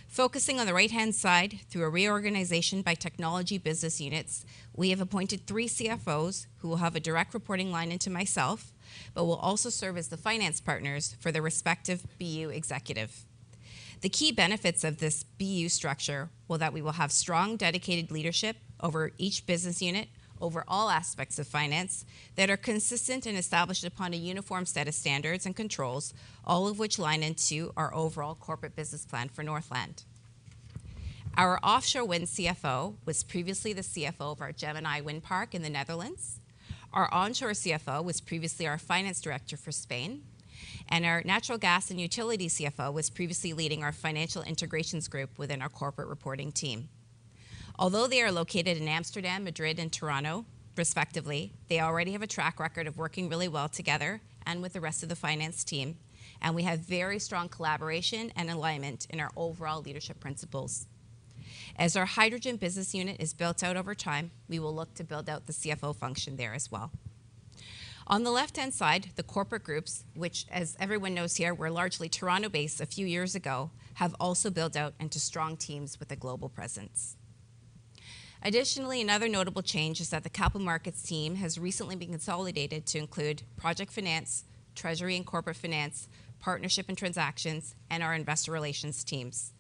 Focusing on the right-hand side, through a reorganization by technology business units, we have appointed three CFOs who will have a direct reporting line into myself but will also serve as the finance partners for their respective BU executive. The key benefits of this BU structure were that we will have strong, dedicated leadership over each business unit over all aspects of finance that are consistent and established upon a uniform set of standards and controls, all of which line into our overall corporate business plan for Northland. Our offshore wind CFO was previously the CFO of our Gemini Wind Park in the Netherlands. Our onshore CFO was previously our finance director for Spain, and our natural gas and utility CFO was previously leading our financial integrations group within our corporate reporting team. Although they are located in Amsterdam, Madrid, and Toronto, respectively, they already have a track record of working really well together and with the rest of the finance team, and we have very strong collaboration and alignment in our overall leadership principles. As our hydrogen business unit is built out over time, we will look to build out the CFO function there as well. On the left-hand side, the corporate groups, which, as everyone knows here, were largely Toronto-based a few years ago, have also built out into strong teams with a global presence. Another notable change is that the capital markets team has recently been consolidated to include project finance, treasury and corporate finance, partnership and transactions, and our investor relations teams.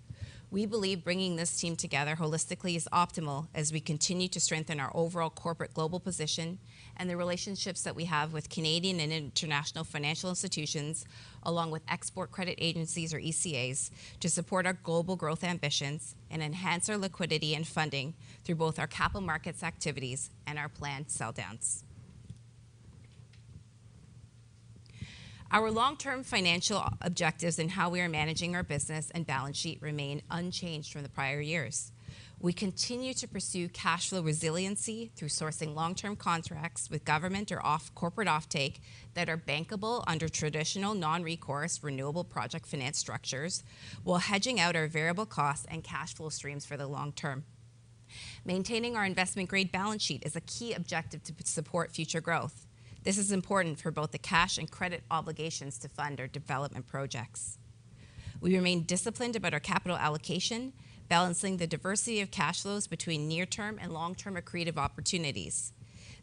We believe bringing this team together holistically is optimal as we continue to strengthen our overall corporate global position and the relationships that we have with Canadian and international financial institutions, along with export credit agencies or ECAs, to support our global growth ambitions and enhance our liquidity and funding through both our capital markets activities and our planned sell downs. Our long-term financial objectives and how we are managing our business and balance sheet remain unchanged from the prior years. We continue to pursue cash flow resiliency through sourcing long-term contracts with government or corporate offtake that are bankable under traditional non-recourse renewable project finance structures while hedging out our variable costs and cash flow streams for the long term. Maintaining our investment-grade balance sheet is a key objective to support future growth. This is important for both the cash and credit obligations to fund our development projects. We remain disciplined about our capital allocation, balancing the diversity of cash flows between near-term and long-term accretive opportunities.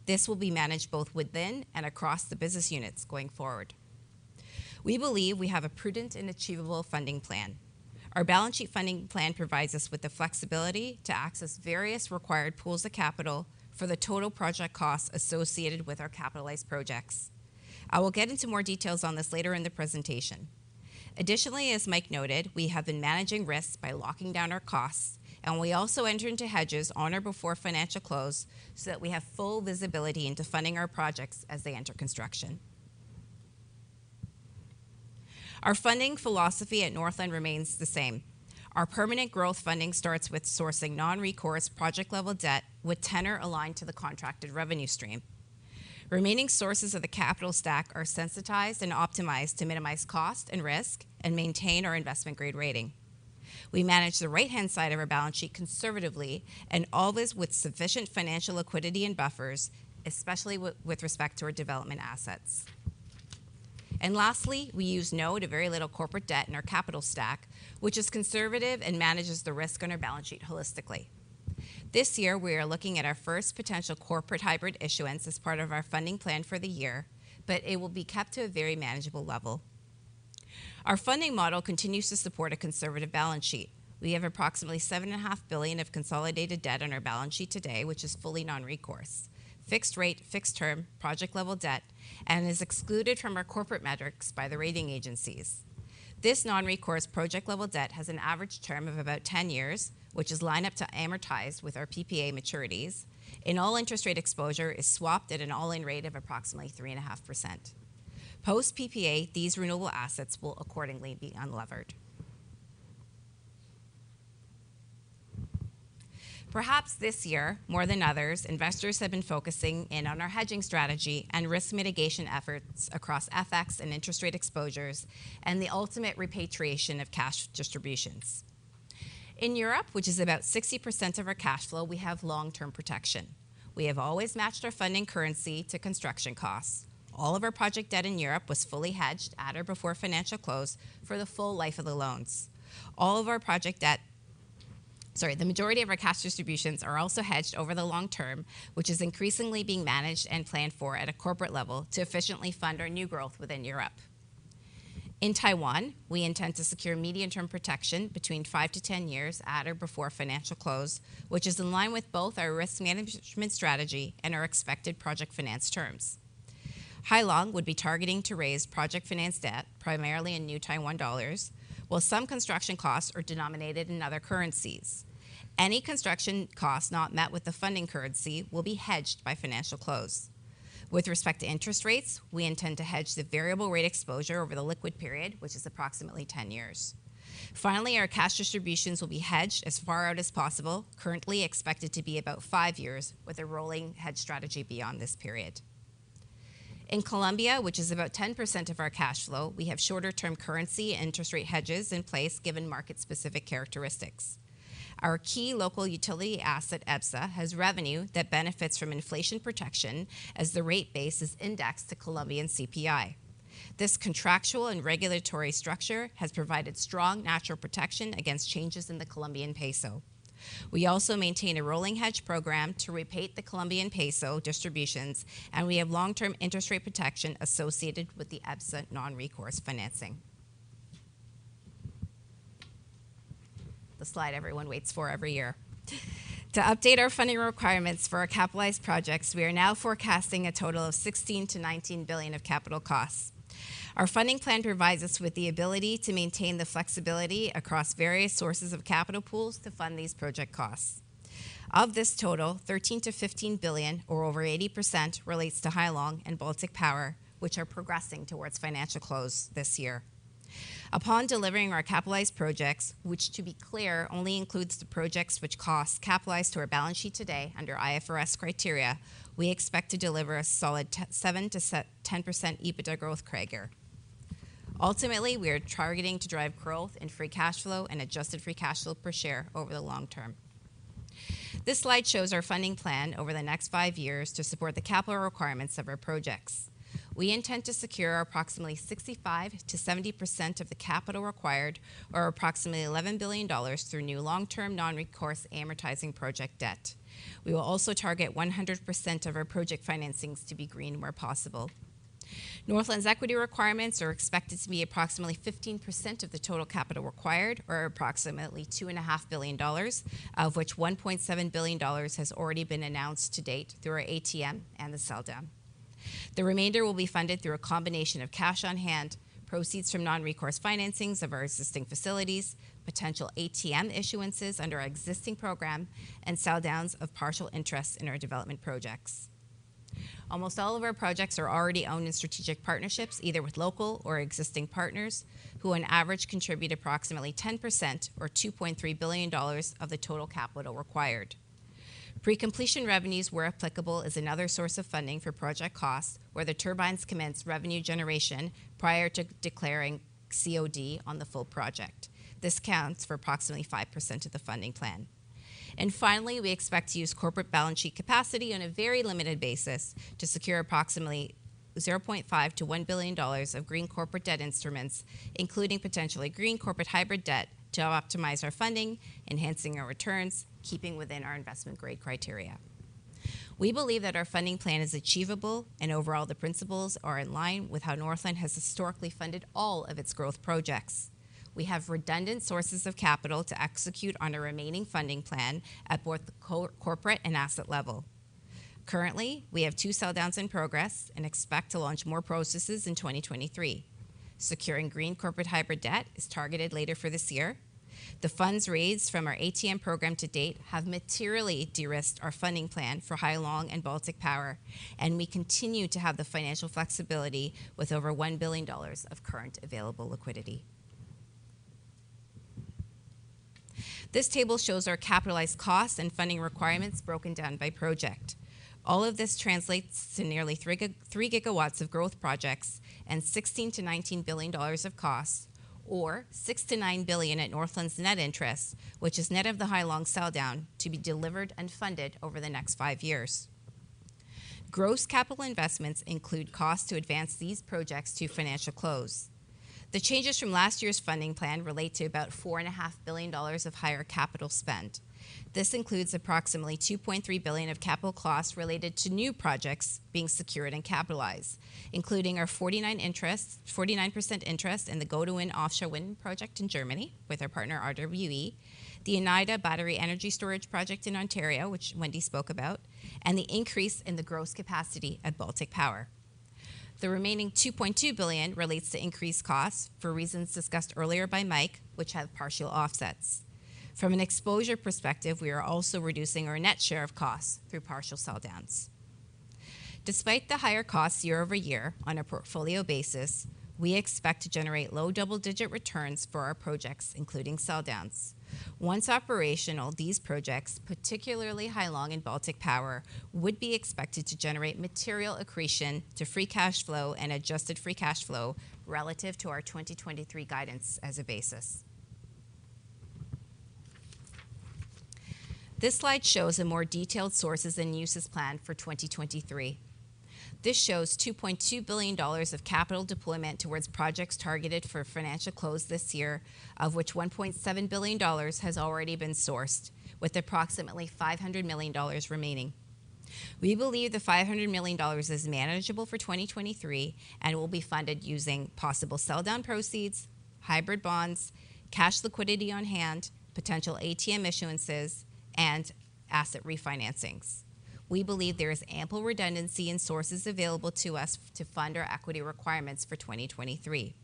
This will be managed both within and across the business units going forward. We believe we have a prudent and achievable funding plan. Our balance sheet funding plan provides us with the flexibility to access various required pools of capital for the total project costs associated with our capitalized projects. I will get into more details on this later in the presentation. Additionally, as Mike noted, we have been managing risks by locking down our costs. We also enter into hedges on or before financial close so that we have full visibility into funding our projects as they enter construction. Our funding philosophy at Northland remains the same. Our permanent growth funding starts with sourcing non-recourse project-level debt with tenor aligned to the contracted revenue stream. Remaining sources of the capital stack are sensitized and optimized to minimize cost and risk and maintain our investment-grade rating. We manage the right-hand side of our balance sheet conservatively and always with sufficient financial liquidity and buffers, especially with respect to our development assets. Lastly, we use no to very little corporate debt in our capital stack, which is conservative and manages the risk on our balance sheet holistically. This year, we are looking at our first potential corporate hybrid issuance as part of our funding plan for the year. It will be kept to a very manageable level. Our funding model continues to support a conservative balance sheet. We have approximately 7.5 billion of consolidated debt on our balance sheet today, which is fully non-recourse, fixed rate, fixed term, project-level debt, and is excluded from our corporate metrics by the rating agencies. This non-recourse project-level debt has an average term of about 10 years, which is lined up to amortize with our PPA maturities, and all interest rate exposure is swapped at an all-in rate of approximately 3.5%. Post PPA, these renewable assets will accordingly be unlevered. Perhaps this year, more than others, investors have been focusing in on our hedging strategy and risk mitigation efforts across FX and interest rate exposures and the ultimate repatriation of cash distributions. In Europe, which is about 60% of our cash flow, we have long-term protection. We have always matched our funding currency to construction costs. All of our project debt in Europe was fully hedged at or before financial close for the full life of the loans. The majority of our cash distributions are also hedged over the long term, which is increasingly being managed and planned for at a corporate level to efficiently fund our new growth within Europe. In Taiwan, we intend to secure medium-term protection between five-10 years at or before financial close, which is in line with both our risk management strategy and our expected project finance terms. Hai Long would be targeting to raise project finance debt primarily in New Taiwan dollars, while some construction costs are denominated in other currencies. Any construction cost not met with the funding currency will be hedged by financial close. With respect to interest rates, we intend to hedge the variable rate exposure over the liquid period, which is approximately 10 years. Our cash distributions will be hedged as far out as possible, currently expected to be about five years, with a rolling hedge strategy beyond this period. In Colombia, which is about 10% of our cash flow, we have shorter-term currency and interest rate hedges in place given market-specific characteristics. Our key local utility asset, EBSA, has revenue that benefits from inflation protection as the rate base is indexed to Colombian CPI. This contractual and regulatory structure has provided strong natural protection against changes in the Colombian peso. We also maintain a rolling hedge program to repaint the Colombian peso distributions, and we have long-term interest rate protection associated with the EBSA non-recourse financing. The slide everyone waits for every year. To update our funding requirements for our capitalized projects, we are now forecasting a total of 16 billion-19 billion of capital costs. Our funding plan provides us with the ability to maintain the flexibility across various sources of capital pools to fund these project costs. Of this total, 13 billion-15 billion, or over 80%, relates to Hai Long and Baltic Power, which are progressing towards financial close this year. Upon delivering our capitalized projects, which to be clear, only includes the projects which costs capitalized to our balance sheet today under IFRS criteria, we expect to deliver a solid 7%-10% EBITDA growth per year. We are targeting to drive growth in free cash flow and adjusted free cash flow per share over the long term. This slide shows our funding plan over the next 5 years to support the capital requirements of our projects. We intend to secure approximately 65%-70% of the capital required, or approximately $11 billion through new long-term non-recourse amortizing project debt. We will also target 100% of our project financings to be green where possible. Northland's equity requirements are expected to be approximately 15% of the total capital required, or approximately 2.5 billion dollars, of which 1.7 billion dollars has already been announced to date through our ATM and the sell down. The remainder will be funded through a combination of cash on hand, proceeds from non-recourse financings of our existing facilities, potential ATM issuances under our existing program, and sell downs of partial interest in our development projects. Almost all of our projects are already owned in strategic partnerships, either with local or existing partners, who on average contribute approximately 10% or 2.3 billion dollars of the total capital required. Pre-completion revenues, where applicable, is another source of funding for project costs where the turbines commence revenue generation prior to declaring COD on the full project. This counts for approximately 5% of the funding plan. Finally, we expect to use corporate balance sheet capacity on a very limited basis to secure approximately 0.5 billion-1 billion dollars of green corporate debt instruments, including potentially green corporate hybrid debt to optimize our funding, enhancing our returns, keeping within our investment grade criteria. We believe that our funding plan is achievable and overall, the principles are in line with how Northland has historically funded all of its growth projects. We have redundant sources of capital to execute on our remaining funding plan at both the corporate and asset level. Currently, we have two sell downs in progress and expect to launch more processes in 2023. Securing green corporate hybrid debt is targeted later for this year. The funds raised from our ATM program to date have materially de-risked our funding plan for Hai Long and Baltic Power, and we continue to have the financial flexibility with over 1 billion dollars of current available liquidity. This table shows our capitalized costs and funding requirements broken down by project. All of this translates to nearly 3 GW of growth projects and 16 billion-19 billion dollars of costs, or 6 billion-9 billion at Northland's net interest, which is net of the Hai Long sell down to be delivered and funded over the next five years. Gross capital investments include costs to advance these projects to financial close. The changes from last year's funding plan relate to about 4.5 billion dollars of higher capital spend. This includes approximately 2.3 billion of capital costs related to new projects being secured and capitalized, including our 49% interest in the Gode Wind offshore wind project in Germany with our partner RWE, the Oneida Battery Energy Storage project in Ontario, which Wendy spoke about, and the increase in the gross capacity at Baltic Power. The remaining 2.2 billion relates to increased costs for reasons discussed earlier by Mike, which have partial offsets. From an exposure perspective, we are also reducing our net share of costs through partial sell downs. Despite the higher costs year-over-year on a portfolio basis, we expect to generate low double-digit returns for our projects, including sell downs. Once operational, these projects, particularly Hai Long and Baltic Power, would be expected to generate material accretion to free cash flow and adjusted free cash flow relative to our 2023 guidance as a basis. This slide shows the more detailed sources and uses plan for 2023. This shows 2.2 billion dollars of capital deployment towards projects targeted for financial close this year, of which 1.7 billion dollars has already been sourced, with approximately 500 million dollars remaining. We believe the 500 million dollars is manageable for 2023 and will be funded using possible sell down proceeds, hybrid bonds, cash liquidity on hand, potential ATM issuances, and asset refinancings. We believe there is ample redundancy in sources available to us to fund our equity requirements for 2023.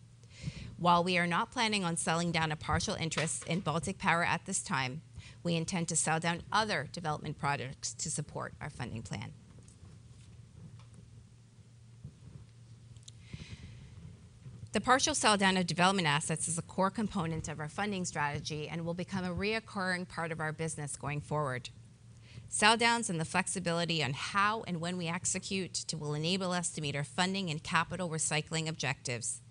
While we are not planning on selling down a partial interest in Baltic Power at this time, we intend to sell down other development projects to support our funding plan. The partial sell down of development assets is a core component of our funding strategy and will become a recurring part of our business going forward. Sell downs and the flexibility on how and when we execute to will enable us to meet our funding and capital recycling objectives,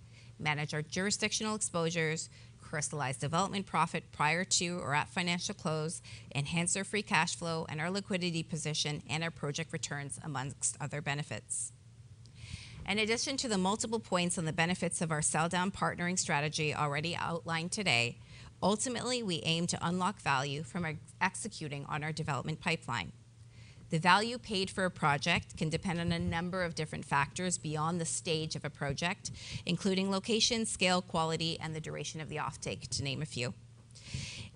manage our jurisdictional exposures, crystallize development profit prior to or at financial close, enhance our free cash flow and our liquidity position and our project returns, amongst other benefits. In addition to the multiple points on the benefits of our sell down partnering strategy already outlined today, ultimately, we aim to unlock value from executing on our development pipeline. The value paid for a project can depend on a number of different factors beyond the stage of a project, including location, scale, quality, and the duration of the offtake, to name a few.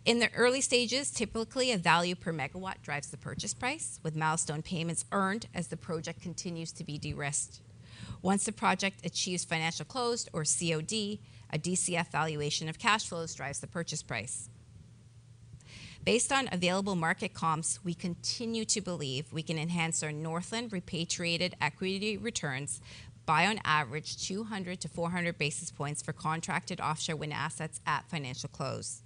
In the early stages, typically, a value per megawatt drives the purchase price, with milestone payments earned as the project continues to be de-risked. Once the project achieves financial close or COD, a DCF valuation of cash flows drives the purchase price. Based on available market comps, we continue to believe we can enhance our Northland repatriated equity returns by on average 200-400 basis points for contracted offshore wind assets at financial close.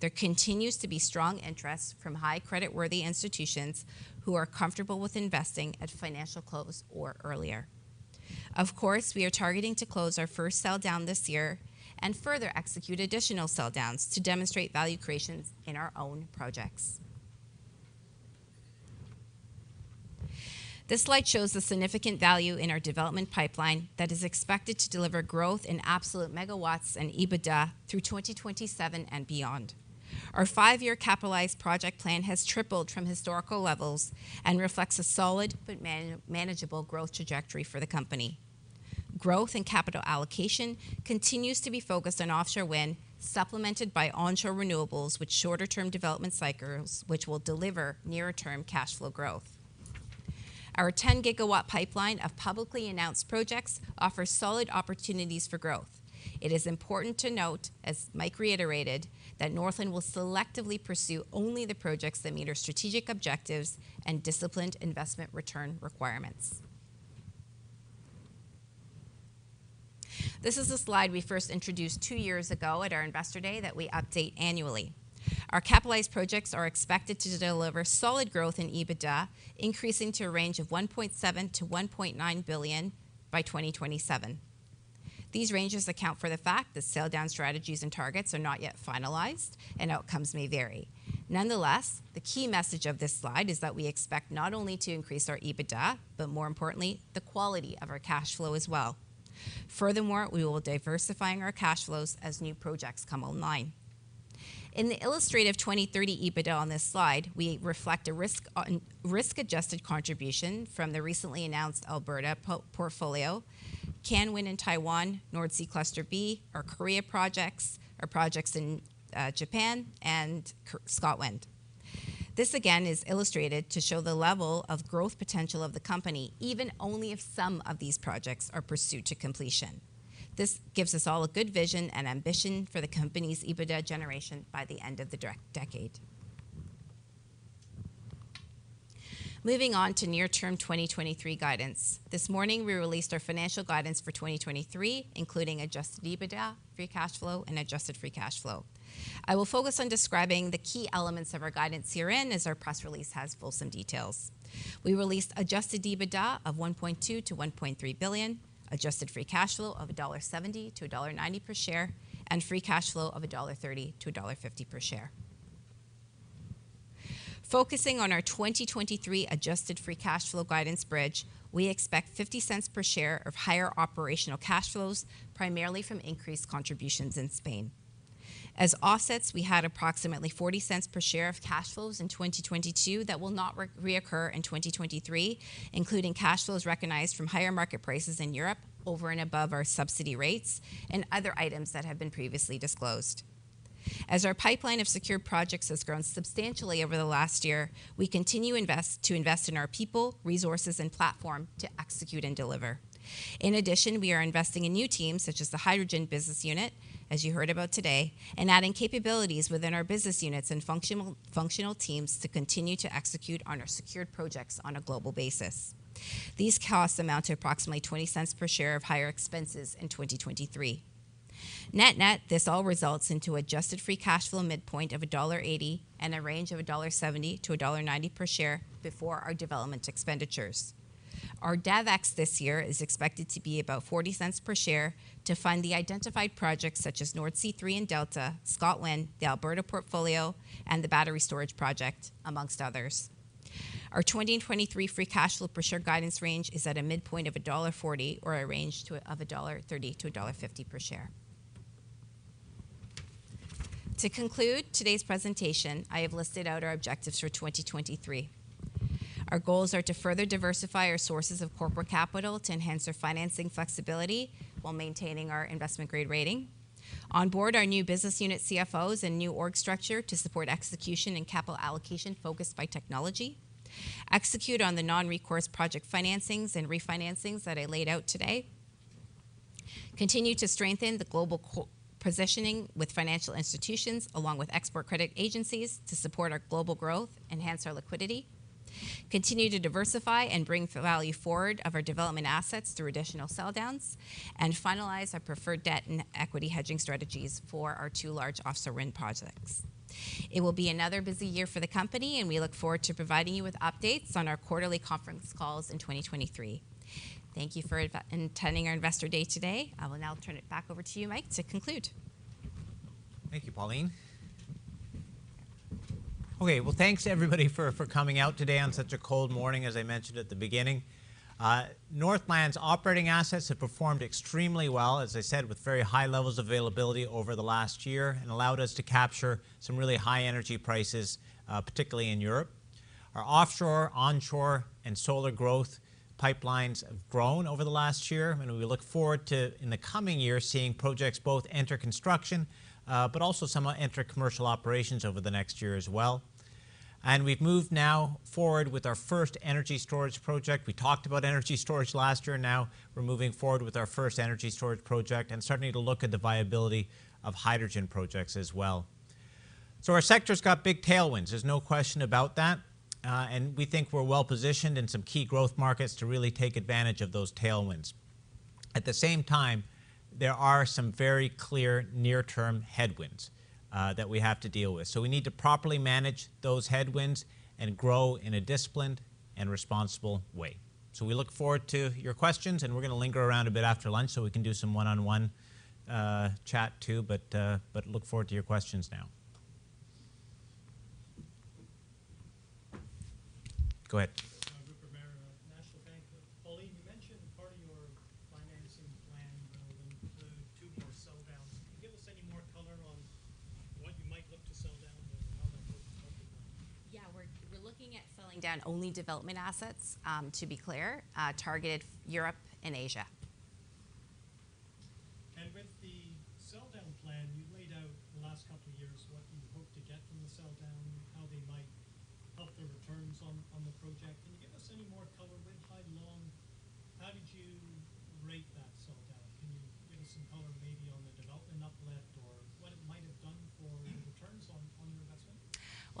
There continues to be strong interest from high creditworthy institutions who are comfortable with investing at financial close or earlier. Of course, we are targeting to close our first sell down this year and further execute additional sell downs to demonstrate value creation in our own projects. This slide shows the significant value in our development pipeline that is expected to deliver growth in absolute megawatts and EBITDA through 2027 and beyond. Our five-year capitalized project plan has tripled from historical levels and reflects a solid but manageable growth trajectory for the company. Growth and capital allocation continues to be focused on offshore wind, supplemented by onshore renewables with shorter-term development cycles, which will deliver nearer-term cash flow growth. Our 10 GW pipeline of publicly announced projects offers solid opportunities for growth. It is important to note, as Mike reiterated, that Northland will selectively pursue only the projects that meet our strategic objectives and disciplined investment return requirements. This is a slide we first introduced two years ago at our Investor Day that we update annually. Our capitalized projects are expected to deliver solid growth in EBITDA, increasing to a range of $1.7 billion-$1.9 billion by 2027. These ranges account for the fact that sell down strategies and targets are not yet finalized and outcomes may vary. Nonetheless, the key message of this slide is that we expect not only to increase our EBITDA, but more importantly, the quality of our cash flow as well. Furthermore, we will be diversifying our cash flows as new projects come online. In the illustrative 2030 EBITDA on this slide, we reflect a risk-adjusted contribution from the recently announced Alberta portfolio, CanWind in Taiwan, Nordseecluster B, our Korea projects, our projects in Japan, and ScotWind. This, again, is illustrated to show the level of growth potential of the company, even only if some of these projects are pursued to completion. This gives us all a good vision and ambition for the company's EBITDA generation by the end of the decade. Near-term 2023 guidance. This morning, we released our financial guidance for 2023, including adjusted EBITDA, free cash flow, and adjusted free cash flow. I will focus on describing the key elements of our guidance herein, as our press release has fulsome details. We released adjusted EBITDA of 1.2 billion-1.3 billion, adjusted free cash flow of 1.70-1.90 dollar per share, and free cash flow of 1.30-1.50 dollar per share. Focusing on our 2023 adjusted free cash flow guidance bridge, we expect 0.50 per share of higher operational cash flows, primarily from increased contributions in Spain. Offsets, we had approximately 0.40 per share of cash flows in 2022 that will not reoccur in 2023, including cash flows recognized from higher market prices in Europe over and above our subsidy rates and other items that have been previously disclosed. Our pipeline of secured projects has grown substantially over the last year, we continue to invest in our people, resources, and platform to execute and deliver. We are investing in new teams such as the hydrogen business unit, as you heard about today, and adding capabilities within our business units and functional teams to continue to execute on our secured projects on a global basis. These costs amount to approximately 0.20 per share of higher expenses in 2023. Net-net, this all results into adjusted free cash flow midpoint of dollar 1.80 and a range of 1.70-1.90 dollar per share before our development expenditures. Our DevEx this year is expected to be about 0.40 per share to fund the identified projects such as Nordsee Three and Delta, Scotland, the Alberta portfolio, and the battery storage project, amongst others. Our 2023 free cash flow per share guidance range is at a midpoint of dollar 1.40 or a range of 1.30-1.50 dollar per share. To conclude today's presentation, I have listed out our objectives for 2023. Our goals are to further diversify our sources of corporate capital to enhance our financing flexibility while maintaining our investment-grade rating. Onboard our new business unit CFOs and new org structure to support execution and capital allocation focused by technology. Execute on the non-recourse project financings and refinancings that I laid out today. Continue to strengthen the global positioning with financial institutions, along with Export Credit Agencies, to support our global growth, enhance our liquidity. Continue to diversify and bring value forward of our development assets through additional sell downs and finalize our preferred debt and equity hedging strategies for our two large offshore wind projects. It will be another busy year for the company, and we look forward to providing you with updates on our quarterly conference calls in 2023. Thank you for attending our investor day today. I will now turn it back over to you, Mike, to conclude. Thanks everybody for coming out today on such a cold morning, as I mentioned at the beginning. Northland's operating assets have performed extremely well, as I said, with very high levels of availability over the last year and allowed us to capture some really high energy prices, particularly in Europe. Our offshore, onshore, and solar growth pipelines have grown over the last year, we look forward to, in the coming year, seeing projects both enter construction, but also some enter commercial operations over the next year as well. We've moved now forward with our first energy storage project. We talked about energy storage last year. Now we're moving forward with our first energy storage project and starting to look at the viability of hydrogen projects as well. Our sector's got big tailwinds. There's no question about that. We think we're well-positioned in some key growth markets to really take advantage of those tailwinds. At the same time, there are some very clear near-term headwinds that we have to deal with. We need to properly manage those headwinds and grow in a disciplined and responsible way. We look forward to your questions, and we're gonna linger around a bit after lunch, so we can do some one-on-one chat too, but look forward to your questions now. Go ahead. Hi, this is Rupert Merer of National Bank. Pauline, you mentioned part of your financing plan though the two more sell downs. Can you give us any more color on what you might look to sell down and how that will help you? Yeah. We're looking at selling down only development assets, to be clear, targeted Europe and Asia.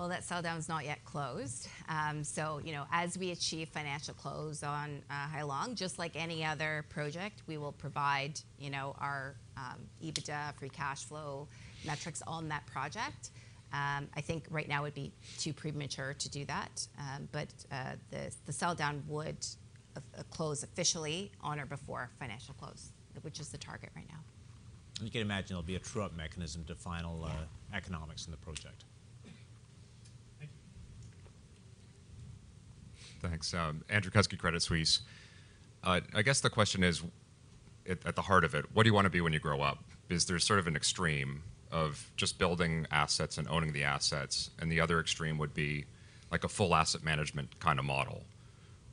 With the sell down plan, you laid out the last couple of years what you hope to get from the sell down, how they might help the returns on the project. Can you give us any more color with Hai Long? How did you rate that sell down? Can you give us some color maybe on the development uplift or what it might have done for returns on your investment? Well, that sell down is not yet closed. You know, as we achieve financial close on Hai Long, just like any other project, we will provide, you know, our EBITDA free cash flow metrics on that project. I think right now would be too premature to do that. The sell down would close officially on or before financial close, which is the target right now. You can imagine there'll be a true-up mechanism to final. Yeah... economics in the project. Thank you. Thanks. Andrew Kuske, Credit Suisse. I guess the question is at the heart of it, what do you wanna be when you grow up? Is there sort of an extreme of just building assets and owning the assets, and the other extreme would be like a full asset management kind of model,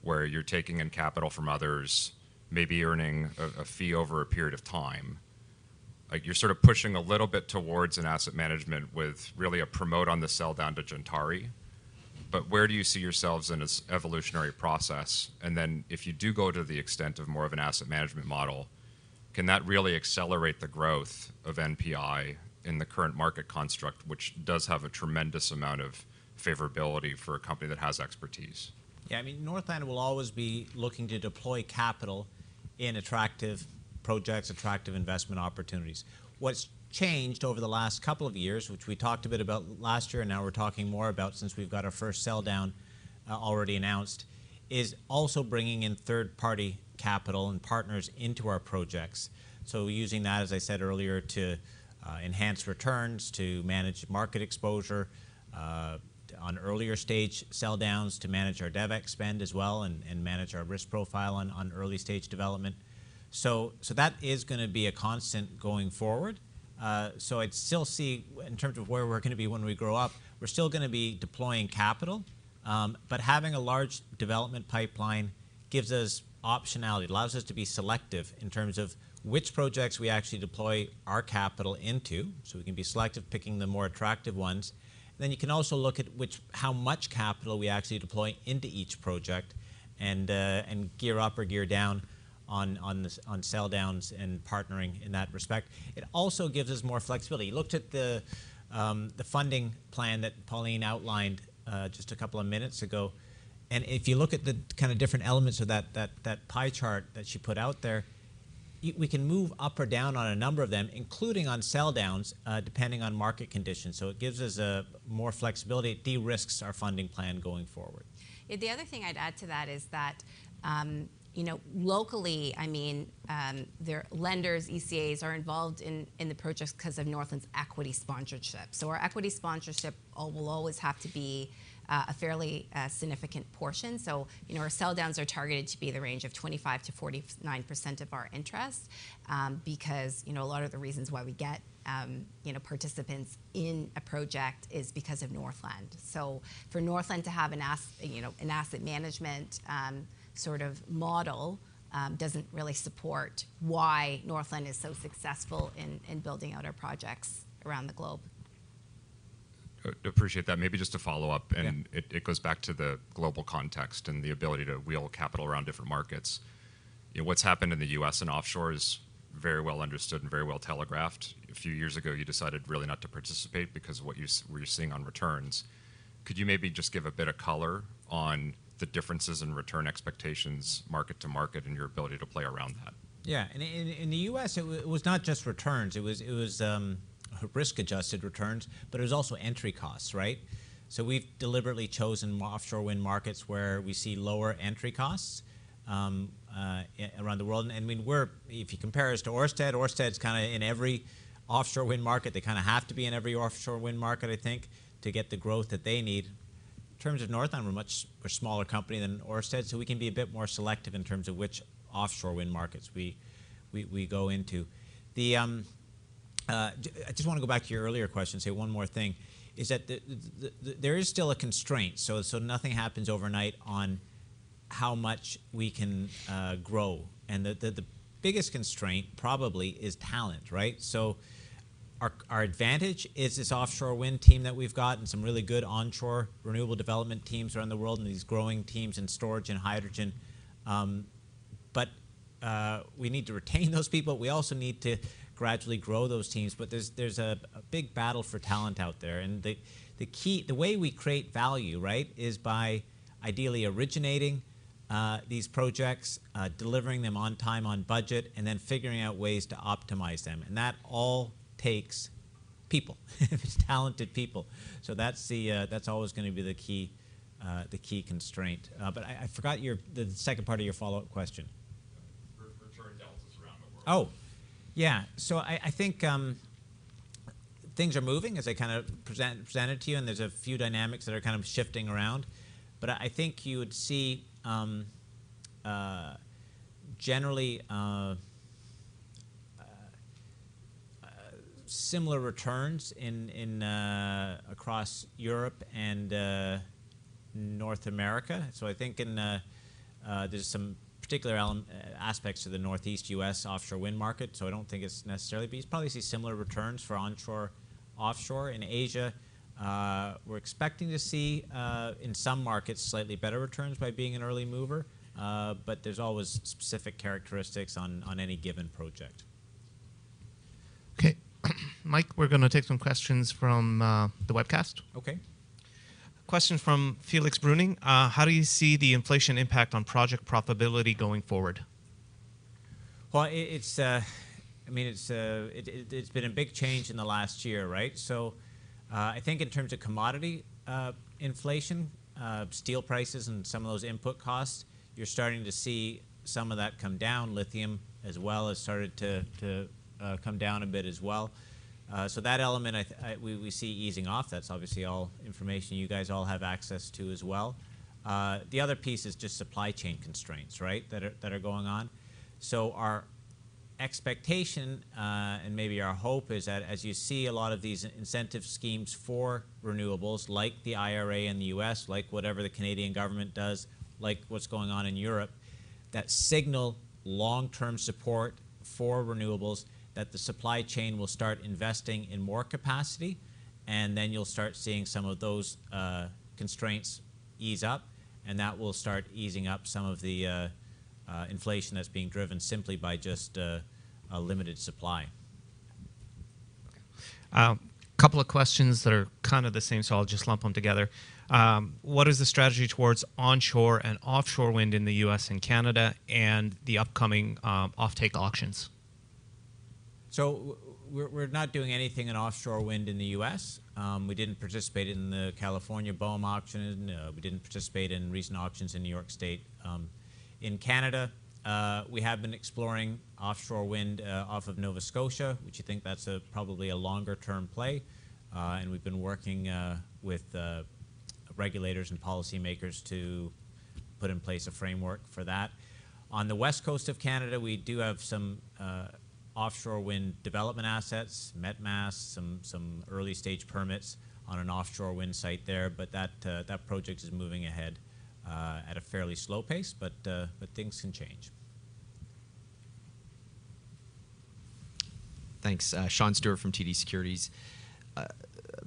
where you're taking in capital from others, maybe earning a fee over a period of time. Like, you're sort of pushing a little bit towards an asset management with really a promote on the sell down to Gentari. Where do you see yourselves in this evolutionary process? If you do go to the extent of more of an asset management model, can that really accelerate the growth of NPI in the current market construct, which does have a tremendous amount of favorability for a company that has expertise? I mean, Northland will always be looking to deploy capital in attractive projects, attractive investment opportunities. What's changed over the last couple of years, which we talked a bit about last year, and now we're talking more about since we've got our first sell down already announced, is also bringing in third-party capital and partners into our projects. Using that, as I said earlier, to enhance returns, to manage market exposure on earlier stage sell downs, to manage our DevEx spend as well and manage our risk profile on early-stage development. That is gonna be a constant going forward. I'd still see in terms of where we're gonna be when we grow up, we're still gonna be deploying capital. Having a large development pipeline gives us optionality. It allows us to be selective in terms of which projects we actually deploy our capital into, so we can be selective picking the more attractive ones. You can also look at how much capital we actually deploy into each project and gear up or gear down on sell downs and partnering in that respect. It also gives us more flexibility. You looked at the funding plan that Pauline outlined just a couple of minutes ago. If you look at the kind of different elements of that pie chart that she put out there, we can move up or down on a number of them, including on sell downs, depending on market conditions. It gives us more flexibility. It de-risks our funding plan going forward. Yeah. The other thing I'd add to that is that, you know, locally, I mean, their lenders, ECAs, are involved in the purchase 'cause of Northland's equity sponsorship. Our equity sponsorship will always have to be a fairly significant portion. You know, our sell downs are targeted to be the range of 25%-49% of our interest, because, you know, a lot of the reasons why we get, you know, participants in a project is because of Northland. For Northland to have you know, an asset management sort of model doesn't really support why Northland is so successful in building out our projects around the globe. Appreciate that. Maybe just to follow up. Yeah... and it goes back to the global context and the ability to wheel capital around different markets. You know, what's happened in the U.S. and offshore is Very well understood and very well telegraphed. A few years ago, you decided really not to participate because of what you were seeing on returns. Could you maybe just give a bit of color on the differences in return expectations market to market and your ability to play around that? Yeah. In the U.S. it was not just returns, it was risk-adjusted returns. It was also entry costs, right? We've deliberately chosen offshore wind markets where we see lower entry costs around the world. I mean, we're... If you compare us to Ørsted's kinda in every offshore wind market. They kinda have to be in every offshore wind market, I think, to get the growth that they need. In terms of Northland, we're a smaller company than Ørsted. We can be a bit more selective in terms of which offshore wind markets we go into. The... I just wanna go back to your earlier question and say one more thing, is that there is still a constraint. Nothing happens overnight on how much we can grow and the biggest constraint probably is talent, right? Our advantage is this offshore wind team that we've got and some really good onshore renewable development teams around the world, and these growing teams in storage and hydrogen. We need to retain those people. We also need to gradually grow those teams. There's a big battle for talent out there. The key the way we create value, right? Is by ideally originating these projects, delivering them on time, on budget, and then figuring out ways to optimize them. That all takes people, talented people. That's the, that's always gonna be the key, the key constraint. I forgot your... the second part of your follow-up question. Return deltas around the world. Yeah. I think things are moving as I kind of presented to you, and there's a few dynamics that are kind of shifting around. I think you would see generally similar returns across Europe and North America. I think there's some particular aspects to the Northeast U.S. offshore wind market. I don't think it's necessarily... but you'd probably see similar returns for onshore, offshore. In Asia, we're expecting to see in some markets, slightly better returns by being an early mover. But there's always specific characteristics on any given project. Okay. Mike, we're gonna take some questions from the webcast. Okay. Question from Felix Brüning. How do you see the inflation impact on project profitability going forward? Well, I mean, it's been a big change in the last year, right? I think in terms of commodity inflation, steel prices and some of those input costs, you're starting to see some of that come down. Lithium, as well, has started to come down a bit as well. That element we see easing off. That's obviously all information you guys all have access to as well. The other piece is just supply chain constraints, right? That are going on. Our expectation, and maybe our hope, is that as you see a lot of these incentive schemes for renewables, like the IRA in the U.S., like whatever the Canadian government does, like what's going on in Europe, that signal long-term support for renewables, that the supply chain will start investing in more capacity, and then you'll start seeing some of those constraints ease up. That will start easing up some of the inflation that's being driven simply by just a limited supply. Okay. Couple of questions that are kind of the same, I'll just lump them together. What is the strategy towards onshore and offshore wind in the U.S. and Canada and the upcoming offtake auctions? We're not doing anything in offshore wind in the U.S. We didn't participate in the California BOEM auction. We didn't participate in recent auctions in New York State. In Canada, we have been exploring offshore wind off of Nova Scotia, which you think that's a probably a longer-term play. And we've been working with regulators and policymakers to put in place a framework for that. On the west coast of Canada, we do have some offshore wind development assets, met masts, some early stage permits on an offshore wind site there. That project is moving ahead at a fairly slow pace, but things can change. Thanks. Sean Steuart from TD Securities.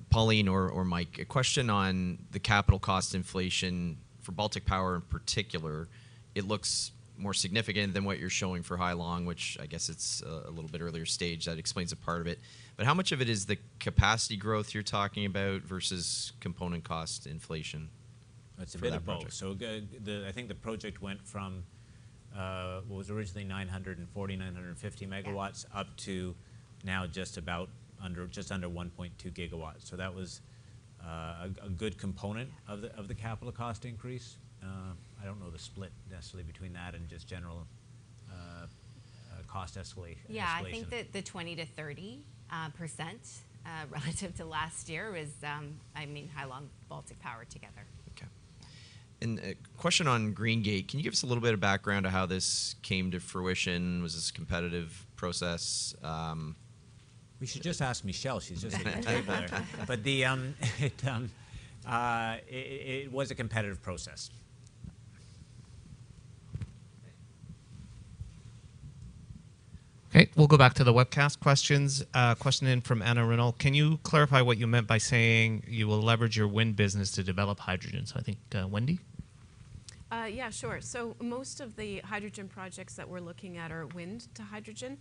Pauline or Mike, a question on the capital cost inflation for Baltic Power in particular. It looks more significant than what you're showing for Hai Long, which I guess it's, a little bit earlier stage that explains a part of it. How much of it is the capacity growth you're talking about versus component cost inflation, for that project? It's a bit of both. the... I think the project went from what was originally 940, 950 MW... Yeah... up to now just under 1.2 GW. That was a good. Yeah... of the capital cost increase. I don't know the split necessarily between that and just general cost escalation. Yeah. I think that the 20%-30% relative to last year is, I mean, Hai Long, Baltic Power together. Okay. A question on Greengate. Can you give us a little bit of background on how this came to fruition? Was this a competitive process? We should just ask Michelle. She's just at the table there. It was a competitive process. Okay. Okay, we'll go back to the webcast questions. Question in from Ana Reynal. Can you clarify what you meant by saying you will leverage your wind business to develop hydrogen? I think, Wendy? Yeah, sure. Most of the hydrogen projects that we're looking at are wind to hydrogen.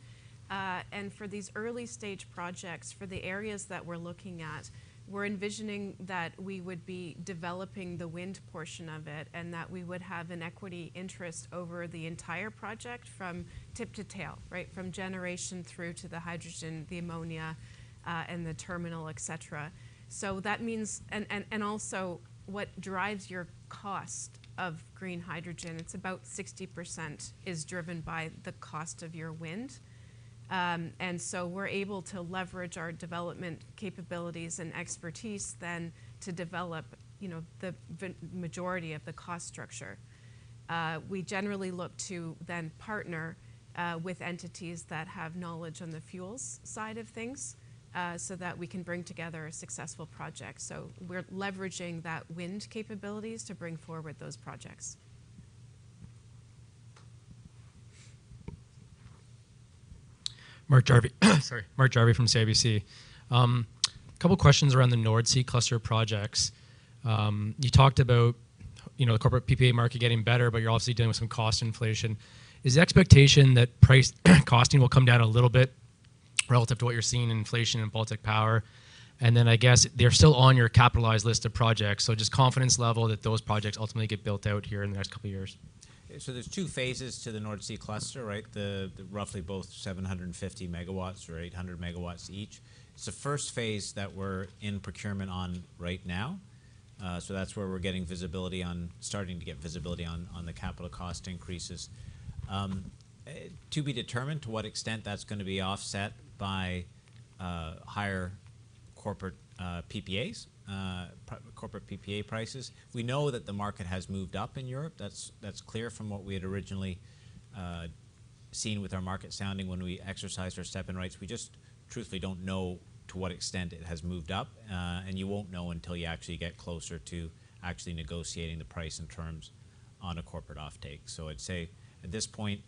For these early-stage projects, for the areas that we're looking at, we're envisioning that we would be developing the wind portion of it and that we would have an equity interest over the entire project from tip to tail, right? From generation through to the hydrogen, the ammonia, and the terminal, et cetera. Also what drives your cost of green hydrogen, it's about 60% is driven by the cost of your wind. We're able to leverage our development capabilities and expertise then to develop, you know, the majority of the cost structure. We generally look to then partner with entities that have knowledge on the fuels side of things, so that we can bring together a successful project. We're leveraging that wind capabilities to bring forward those projects. Mark Jarvi. Sorry, Mark Jarvi from CIBC. Couple questions around the Nordseecluster projects. You talked about, you know, the corporate PPA market getting better, but you're obviously dealing with some cost inflation. Is the expectation that price costing will come down a little bit relative to what you're seeing in inflation in Baltic power? I guess they're still on your capitalized list of projects, so just confidence level that those projects ultimately get built out here in the next couple years. There's two phases to the Nordseecluster, right? The roughly both 750 MW or 800 MW each. It's the first phase that we're in procurement on right now. That's where we're getting visibility starting to get visibility on the capital cost increases. To be determined to what extent that's gonna be offset by higher corporate PPAs, corporate PPA prices. We know that the market has moved up in Europe. That's clear from what we had originally seen with our market sounding when we exercised our step-in rights. We just truthfully don't know to what extent it has moved up. You won't know until you actually get closer to actually negotiating the price and terms on a corporate offtake. I'd say at this point,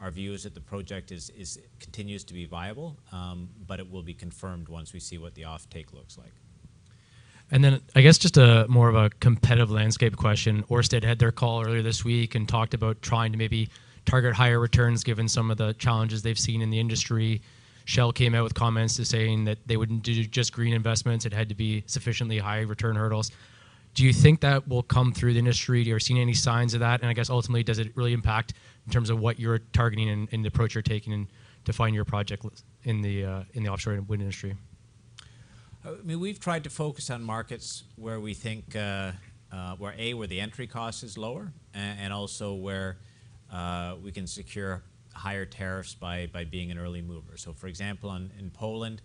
our view is that the project is continues to be viable, it will be confirmed once we see what the offtake looks like. I guess just a more of a competitive landscape question. Ørsted had their call earlier this week and talked about trying to maybe target higher returns given some of the challenges they've seen in the industry. Shell came out with comments to saying that they wouldn't do just green investments. It had to be sufficiently high return hurdles. Do you think that will come through the industry? Are you seeing any signs of that? I guess ultimately, does it really impact in terms of what you're targeting and the approach you're taking to find your project in the offshore wind industry? I mean, we've tried to focus on markets where we think, where A, where the entry cost is lower, and also where we can secure higher tariffs by being an early mover. For example, in Poland,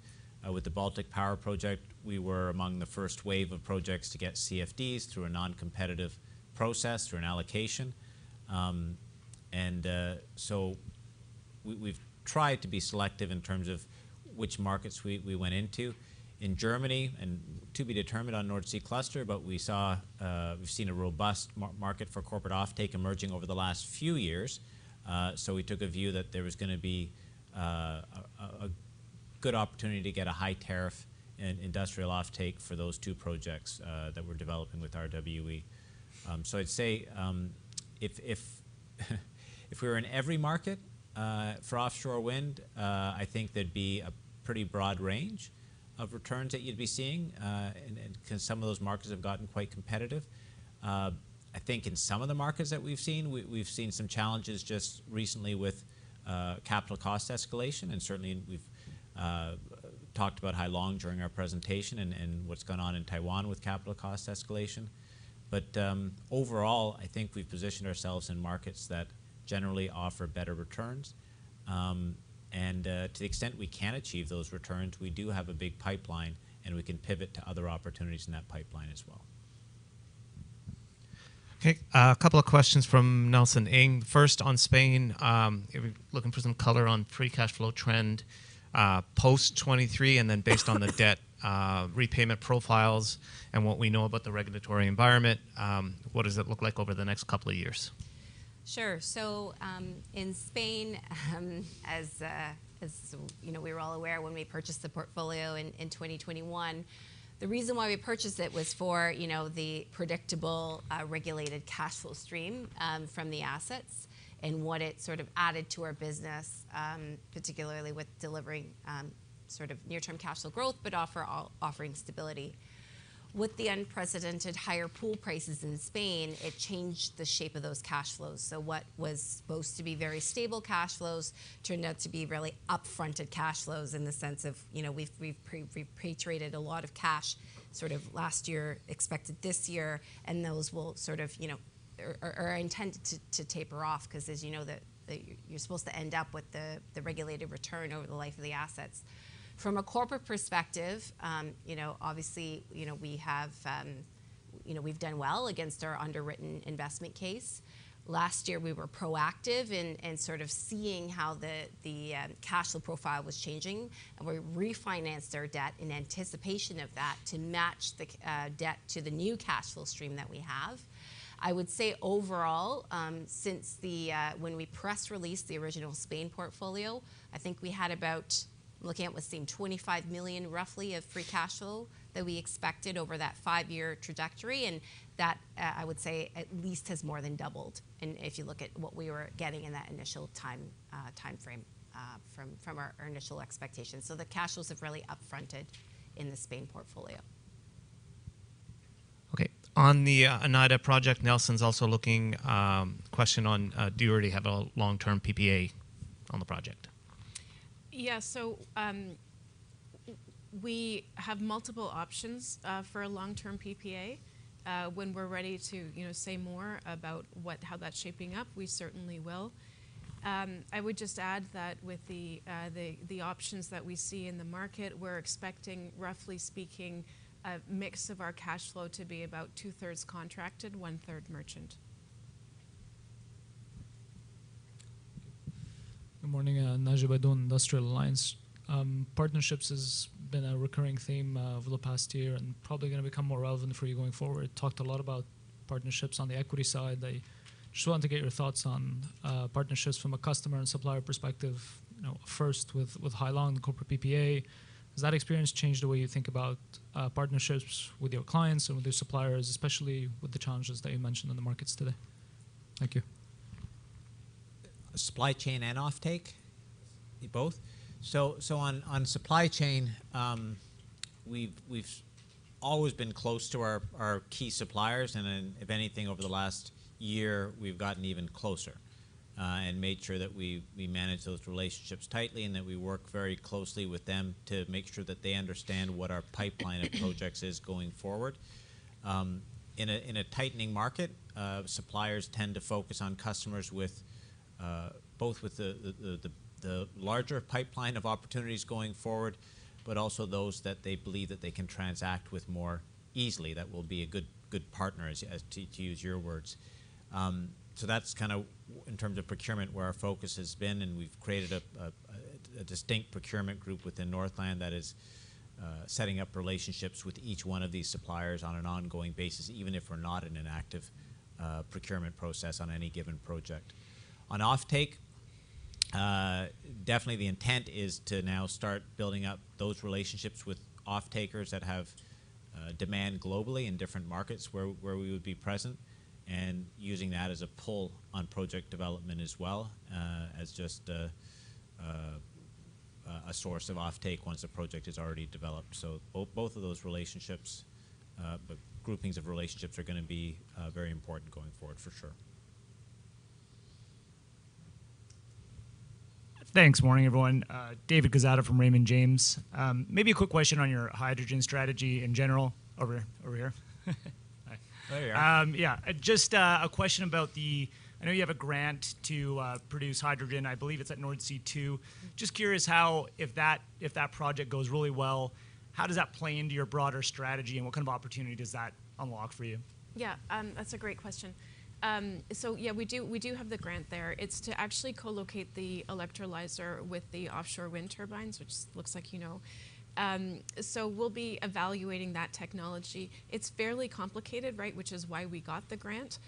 with the Baltic Power project, we were among the first wave of projects to get CFDs through a non-competitive process, through an allocation. We've tried to be selective in terms of which markets we went into. In Germany, and to be determined on Nordseecluster, we've seen a robust market for corporate offtake emerging over the last few years. We took a view that there was gonna be a good opportunity to get a high tariff and industrial offtake for those two projects that we're developing with RWE. I'd say, if we were in every market for offshore wind, I think there'd be a pretty broad range of returns that you'd be seeing, and 'cause some of those markets have gotten quite competitive. I think in some of the markets that we've seen, we've seen some challenges just recently with capital cost escalation, and certainly we've talked about Hai Long during our presentation and what's gone on in Taiwan with capital cost escalation. Overall, I think we've positioned ourselves in markets that generally offer better returns. To the extent we can achieve those returns, we do have a big pipeline, and we can pivot to other opportunities in that pipeline as well. Okay. A couple of questions from Nelson Ng. First, on Spain, looking for some color on free cash flow trend, post 2023, then based on the debt, repayment profiles and what we know about the regulatory environment, what does it look like over the next couple of years? Sure. In Spain, as, you know, we're all aware, when we purchased the portfolio in 2021, the reason why we purchased it was for, you know, the predictable, regulated cash flow stream from the assets and what it sort of added to our business, particularly with delivering, sort of near-term cash flow growth, but offering stability. With the unprecedented higher pool prices in Spain, it changed the shape of those cash flows. What was supposed to be very stable cash flows turned out to be really upfronted cash flows in the sense of, you know, we've pre-traded a lot of cash sort of last year, expected this year, and those will sort of, you know, or are intended to taper off, 'cause as you know that you're supposed to end up with the regulated return over the life of the assets. From a corporate perspective, you know, obviously, you know, we have, you know, we've done well against our underwritten investment case. Last year, we were proactive in sort of seeing how the cash flow profile was changing, and we refinanced our debt in anticipation of that to match the debt to the new cash flow stream that we have. I would say overall, since when we press-released the original Spain portfolio, I think we had about, looking at what seemed 25 million roughly of free cash flow that we expected over that 5-year trajectory, and that, I would say at least has more than doubled in if you look at what we were getting in that initial timeframe, from our initial expectations. The cash flows have really upfronted in the Spain portfolio. Okay. On the Oneida project, Nelson Ng's also looking, question on, do you already have a long-term PPA on the project? Yeah. We have multiple options for a long-term PPA. When we're ready to, you know, say more about how that's shaping up, we certainly will. I would just add that with the options that we see in the market, we're expecting, roughly speaking, a mix of our cash flow to be about 2/3 contracted, 1/3 merchant. Good morning. Naji Baydoun, Industrial Alliance. Partnerships has been a recurring theme over the past year and probably gonna become more relevant for you going forward. Talked a lot about partnerships on the equity side. I just wanted to get your thoughts on partnerships from a customer and supplier perspective, you know, first with Hai Long, the corporate PPA. Has that experience changed the way you think about partnerships with your clients and with your suppliers, especially with the challenges that you mentioned in the markets today? Thank you. Supply chain and offtake? Both. On supply chain, we've always been close to our key suppliers. If anything, over the last year, we've gotten even closer and made sure that we manage those relationships tightly and that we work very closely with them to make sure that they understand what our pipeline of projects is going forward. In a tightening market, suppliers tend to focus on customers with both with the larger pipeline of opportunities going forward, but also those that they believe that they can transact with more easily, that will be a good partner, as to use your words. That's kinda in terms of procurement, where our focus has been, and we've created a distinct procurement group within Northland that is setting up relationships with each one of these suppliers on an ongoing basis, even if we're not in an active procurement process on any given project. On offtake, definitely the intent is to now start building up those relationships with offtakers that have demand globally in different markets where we would be present and using that as a pull-on project development as well, as just a source of offtake once a project is already developed. Both of those relationships, but groupings of relationships are gonna be very important going forward for sure. Thanks. Morning, everyone. David Quezada from Raymond James. Maybe a quick question on your hydrogen strategy in general. Over here. Hi. There you are. Yeah. Just a question about the, I know you have a grant to produce hydrogen. I believe it's at Nordsee Two. Just curious how, if that project goes really well, how does that play into your broader strategy, and what kind of opportunity does that unlock for you? Yeah. That's a great question. We do have the grant there. It's to actually co-locate the electrolyzer with the offshore wind turbines, which looks like you know. We'll be evaluating that technology. It's fairly complicated, right, which is why we got the grant.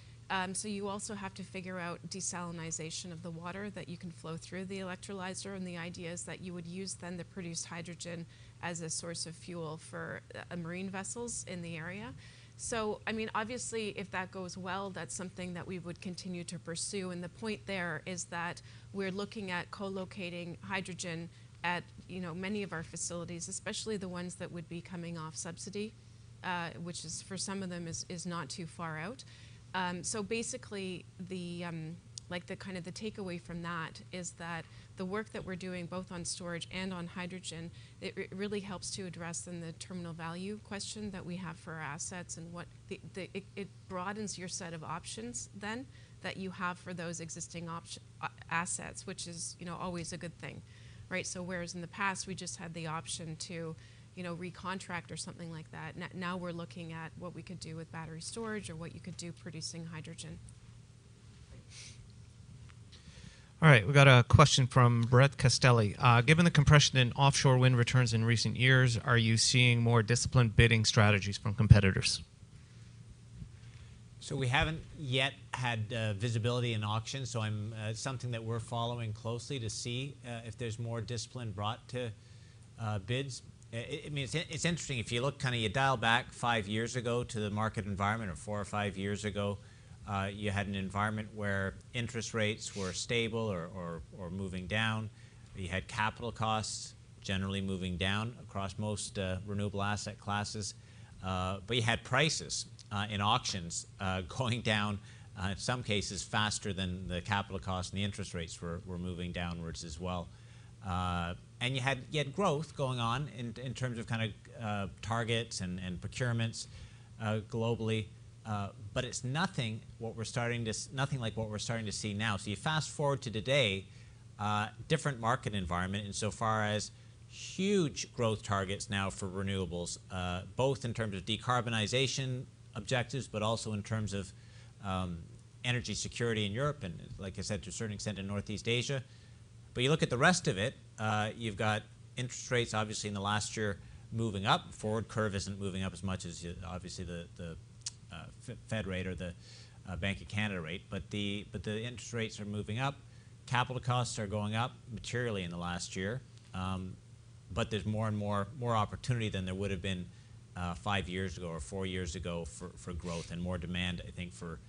You also have to figure out desalination of the water that you can flow through the electrolyzer, and the idea is that you would use then the produced hydrogen as a source of fuel for marine vessels in the area. I mean, obviously, if that goes well, that's something that we would continue to pursue. The point there is that we're looking at co-locating hydrogen at, you know, many of our facilities, especially the ones that would be coming off subsidy, which is for some of them is not too far out. Basically, the kind of the takeaway from that is that the work that we're doing both on storage and on hydrogen, it really helps to address then the terminal value question that we have for our assets and what the. It broadens your set of options then that you have for those existing assets, which is, you know, always a good thing, right? Whereas in the past, we just had the option to, you know, recontract or something like that, now we're looking at what we could do with battery storage or what you could do producing hydrogen. All right. We've got a question from Brett Castelli. Given the compression in offshore wind returns in recent years, are you seeing more disciplined bidding strategies from competitors? We haven't yet had visibility in auctions. It's something that we're following closely to see if there's more discipline brought to bids. I mean, it's interesting. If you look, you dial back five years ago to the market environment of four or five years ago, you had an environment where interest rates were stable or moving down. You had capital costs generally moving down across most renewable asset classes. You had prices in auctions going down in some cases faster than the capital costs and the interest rates were moving downwards as well. You had growth going on in terms of targets and procurements globally. Nothing like what we're starting to see now. You fast-forward to today, different market environment in so far as huge growth targets now for renewables, both in terms of decarbonization objectives, but also in terms of energy security in Europe, and like I said, to a certain extent in Northeast Asia. You look at the rest of it, you've got interest rates obviously in the last year moving up. Forward curve isn't moving up as much as obviously the Fed rate or the Bank of Canada rate. The interest rates are moving up. Capital costs are going up materially in the last year. There's more and more opportunity than there would've been five years ago or four years ago for growth and more demand, I think, for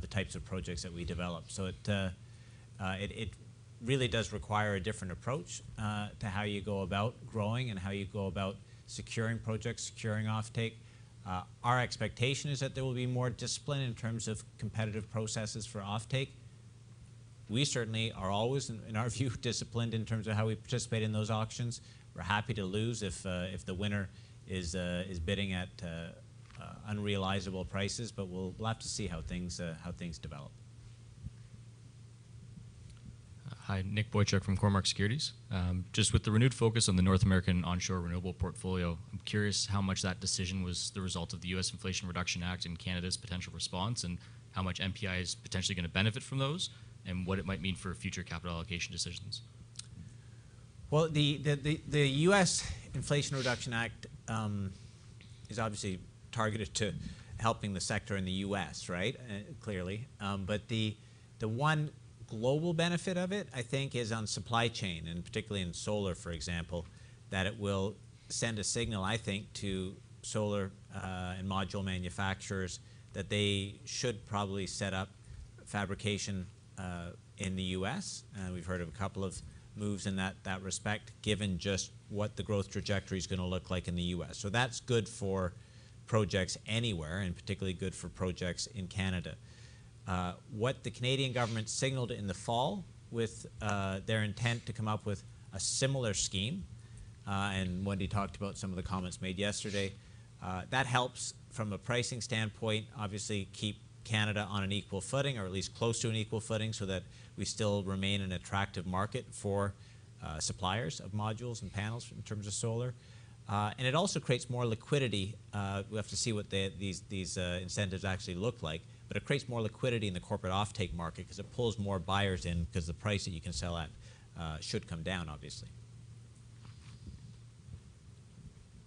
the types of projects that we develop. It really does require a different approach to how you go about growing and how you go about securing projects, securing offtake. Our expectation is that there will be more discipline in terms of competitive processes for offtake. We certainly are always, in our view, disciplined in terms of how we participate in those auctions. We're happy to lose if the winner is bidding at unrealizable prices, but we'll have to see how things develop. Hi, Nic Boychuk from Cormark Securities. Just with the renewed focus on the North American onshore renewable portfolio, I'm curious how much that decision was the result of the U.S. Inflation Reduction Act and Canada's potential response, and how much NPI is potentially gonna benefit from those, and what it might mean for future capital allocation decisions? The U.S. Inflation Reduction Act is obviously targeted to helping the sector in the U.S., right? Clearly. The one global benefit of it, I think, is on supply chain, and particularly in solar, for example, that it will send a signal, I think, to solar and module manufacturers that they should probably set up fabrication in the U.S. We've heard of a couple of moves in that respect, given just what the growth trajectory is gonna look like in the U.S. That's good for projects anywhere, and particularly good for projects in Canada. What the Canadian government signaled in the fall with their intent to come up with a similar scheme, Wendy talked about some of the comments made yesterday, that helps from a pricing standpoint, obviously keep Canada on an equal footing or at least close to an equal footing so that we still remain an attractive market for suppliers of modules and panels in terms of solar. It also creates more liquidity. We have to see what these incentives actually look like. It creates more liquidity in the corporate offtake market 'cause it pulls more buyers in 'cause the price that you can sell at should come down, obviously.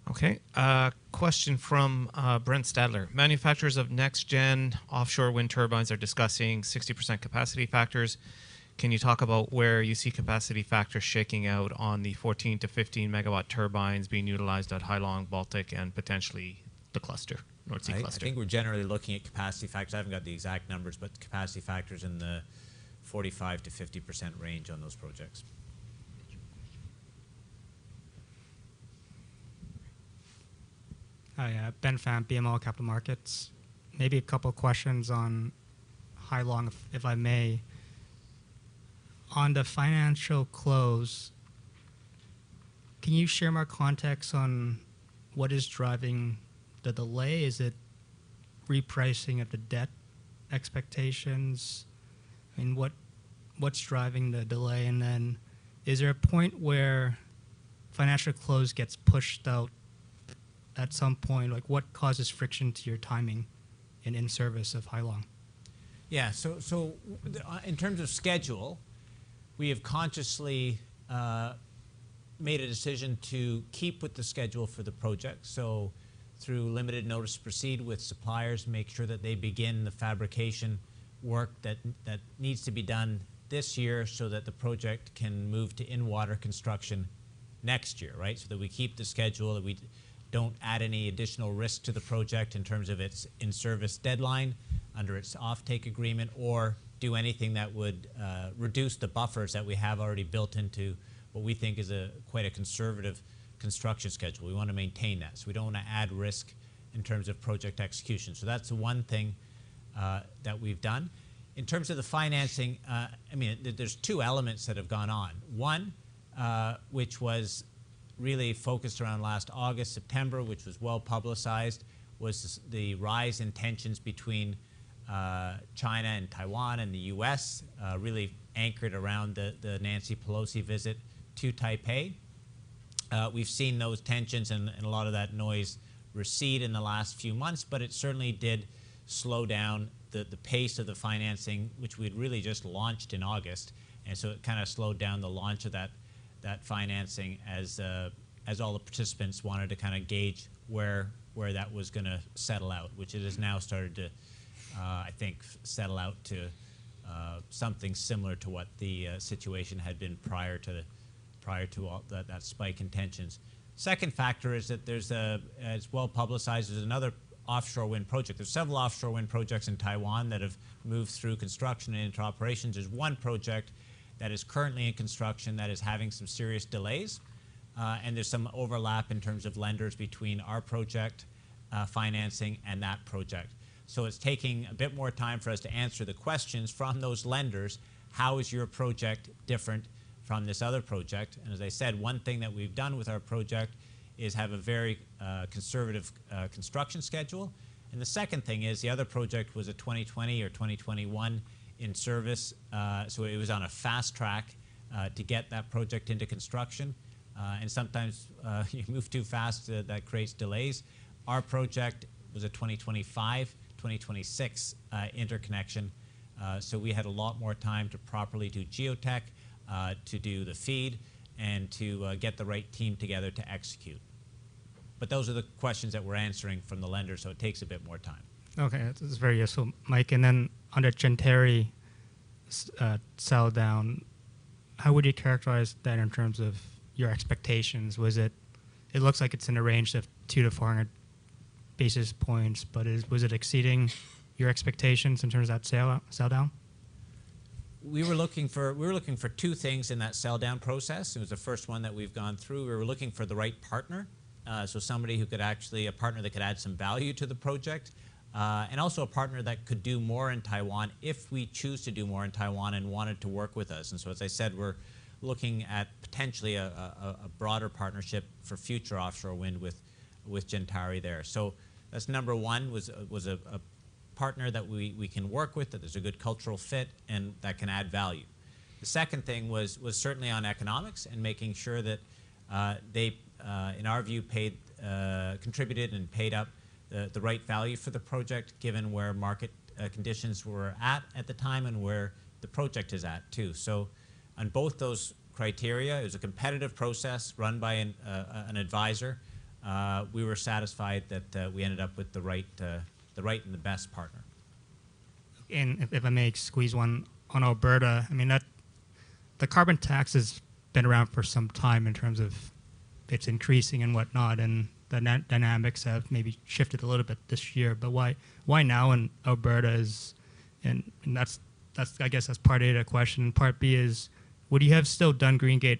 Okay. Question from Brent Stadler. Manufacturers of next-gen offshore wind turbines are discussing 60% capacity factors. Can you talk about where you see capacity factors shaking out on the 14-15 MW turbines being utilized at Hai Long Baltic and potentially the Nordseecluster? I think we're generally looking at capacity factors. I haven't got the exact numbers, but capacity factors in the 45%-50% range on those projects. Thank you. Hi, Benjamin Pham, BMO Capital Markets. Maybe a couple questions on Hai Long, if I may. On the financial close, can you share more context on what is driving the delay? Is it repricing of the debt expectations? What's driving the delay? Is there a point where financial close gets pushed out at some point? Like, what causes friction to your timing and in service of Hai Long? In terms of schedule, we have consciously made a decision to keep with the schedule for the project. Through limited notice to proceed with suppliers, make sure that they begin the fabrication work that needs to be done this year so that the project can move to in-water construction next year, right. That we keep the schedule, that we don't add any additional risk to the project in terms of its in-service deadline under its offtake agreement or do anything that would reduce the buffers that we have already built into what we think is a quite a conservative construction schedule. We wanna maintain that. We don't wanna add risk in terms of project execution. That's one thing that we've done. In terms of the financing, I mean, there's two elements that have gone on. One, which was really focused around last August, September, which was well-publicized, was the rise in tensions between China and Taiwan and the U.S., really anchored around the Nancy Pelosi visit to Taipei. We've seen those tensions and a lot of that noise recede in the last few months, but it certainly did slow down the pace of the financing, which we'd really just launched in August. It kinda slowed down the launch of that financing as all the participants wanted to kinda gauge where that was gonna settle out, which it has now started to, I think settle out to something similar to what the situation had been prior to all that spike in tensions. Second factor is that, as well-publicized, there's another offshore wind project. There's several offshore wind projects in Taiwan that have moved through construction and into operations. There's one project that is currently in construction that is having some serious delays, and there's some overlap in terms of lenders between our project, financing and that project. It's taking a bit more time for us to answer the questions from those lenders, how is your project different from this other project? As I said, one thing that we've done with our project is have a very conservative construction schedule. The second thing is the other project was a 2020 or 2021 in service, so it was on a fast track to get that project into construction. Sometimes, you move too fast, that creates delays. Our project was a 2025, 2026 interconnection. We had a lot more time to properly do geotech, to do the FEED, and to get the right team together to execute. Those are the questions that we're answering from the lender, so it takes a bit more time. Okay. That's, that's very useful, Mike. Under Gentari sell down, how would you characterize that in terms of your expectations? It looks like it's in a range of 200-400 basis points, was it exceeding your expectations in terms of that sale, sell-down? We were looking for two things in that sell-down process. It was the first one that we've gone through. We were looking for the right partner, so somebody who could actually add some value to the project, and also a partner that could do more in Taiwan if we choose to do more in Taiwan and wanted to work with us. As I said, we're looking at potentially a broader partnership for future offshore wind with Gentari there. That's number one, was a partner that we can work with, that there's a good cultural fit and that can add value. The second thing was certainly on economics and making sure that they, in our view, paid... Contributed and paid up the right value for the project given where market conditions were at the time and where the project is at too. On both those criteria, it was a competitive process run by an advisor. We were satisfied that we ended up with the right and the best partner. If I may squeeze one on Alberta. I mean, the carbon tax has been around for some time in terms of it's increasing and whatnot, and the net dynamics have maybe shifted a little bit this year. Why now in Alberta is... That's, I guess, that's part A of the question. Part B is, would you have still done Greengate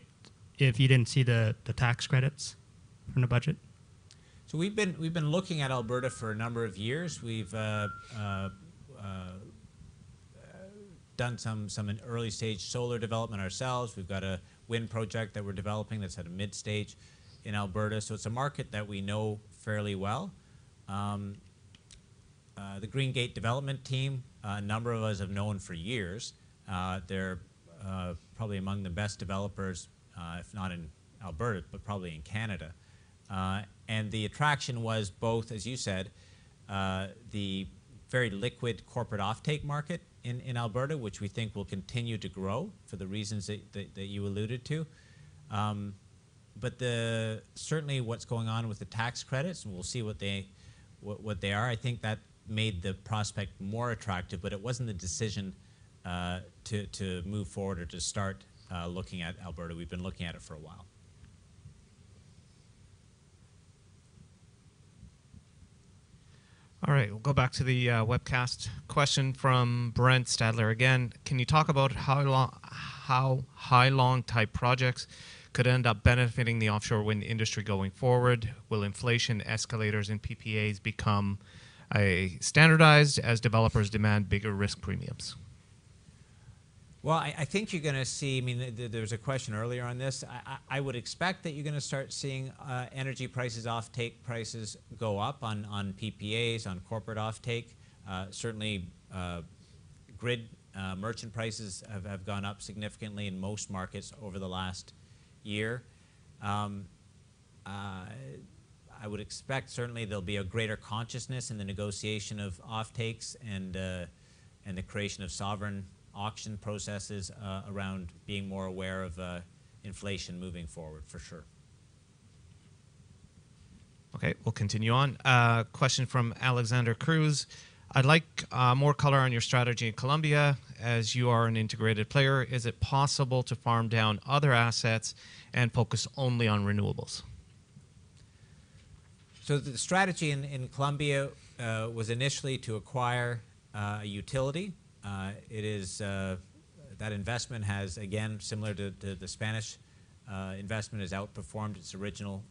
if you didn't see the tax credits in the budget? We've been looking at Alberta for a number of years. We've done some early-stage solar development ourselves. We've got a wind project that we're developing that's at a mid stage in Alberta. It's a market that we know fairly well. The Greengate development team, a number of us have known for years. They're probably among the best developers, if not in Alberta, but probably in Canada. The attraction was both, as you said, the very liquid corporate offtake market in Alberta, which we think will continue to grow for the reasons that you alluded to. Certainly, what's going on with the tax credits, and we'll see what they are. I think that made the prospect more attractive, but it wasn't the decision, to move forward or to start, looking at Alberta. We've been looking at it for a while. All right. We'll go back to the webcast. Question from Brent Stadler again. Can you talk about how Hai Long-type projects could end up benefiting the offshore wind industry going forward? Will inflation escalators and PPAs become standardized as developers demand bigger risk premiums? Well, I think you're gonna see... I mean, there was a question earlier on this. I would expect that you're gonna start seeing energy prices, offtake prices go up on PPAs, on corporate offtake. Certainly, grid merchant prices have gone up significantly in most markets over the last year. I would expect certainly there'll be a greater consciousness in the negotiation of offtakes and the creation of sovereign auction processes around being more aware of inflation moving forward, for sure. Okay. We'll continue on. Question from Alexander Cruz. I'd like more color on your strategy in Colombia. As you are an integrated player, is it possible to farm down other assets and focus only on renewables? The strategy in Colombia was initially to acquire a utility. That investment has, again, similar to the Spanish investment, has outperformed its original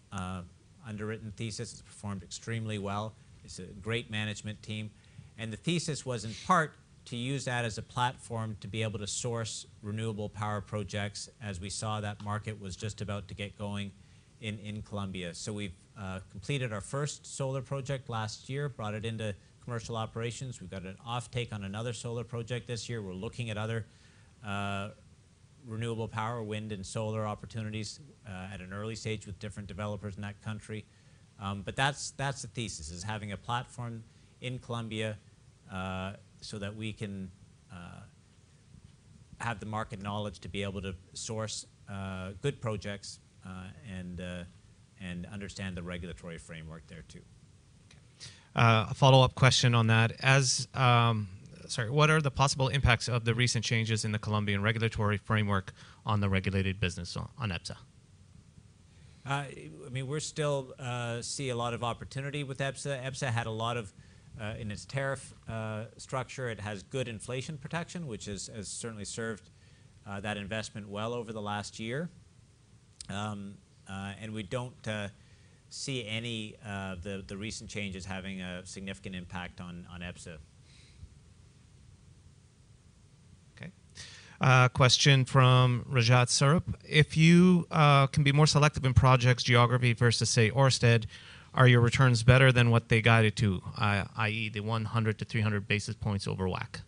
underwritten thesis. It's performed extremely well. It's a great management team. The thesis was in part to use that as a platform to be able to source renewable power projects as we saw that market was just about to get going in Colombia. We've completed our first solar project last year, brought it into commercial operations. We've got an offtake on another solar project this year. We're looking at other renewable power, wind, and solar opportunities at an early stage with different developers in that country. That's the thesis, is having a platform in Colombia, so that we can have the market knowledge to be able to source good projects and understand the regulatory framework there too. Okay. A follow-up question on that. Sorry, what are the possible impacts of the recent changes in the Colombian regulatory framework on the regulated business on EBSA? I mean, we're still see a lot of opportunity with EBSA. EBSA had a lot of in its tariff structure. It has good inflation protection, which has certainly served that investment well over the last year. We don't see any of the recent changes having a significant impact on EBSA. Okay. Question from Rajat Sarup. If you can be more selective in projects geography versus, say, Ørsted, are your returns better than what they guided to, i.e., the 100 to 300 basis points over WACC?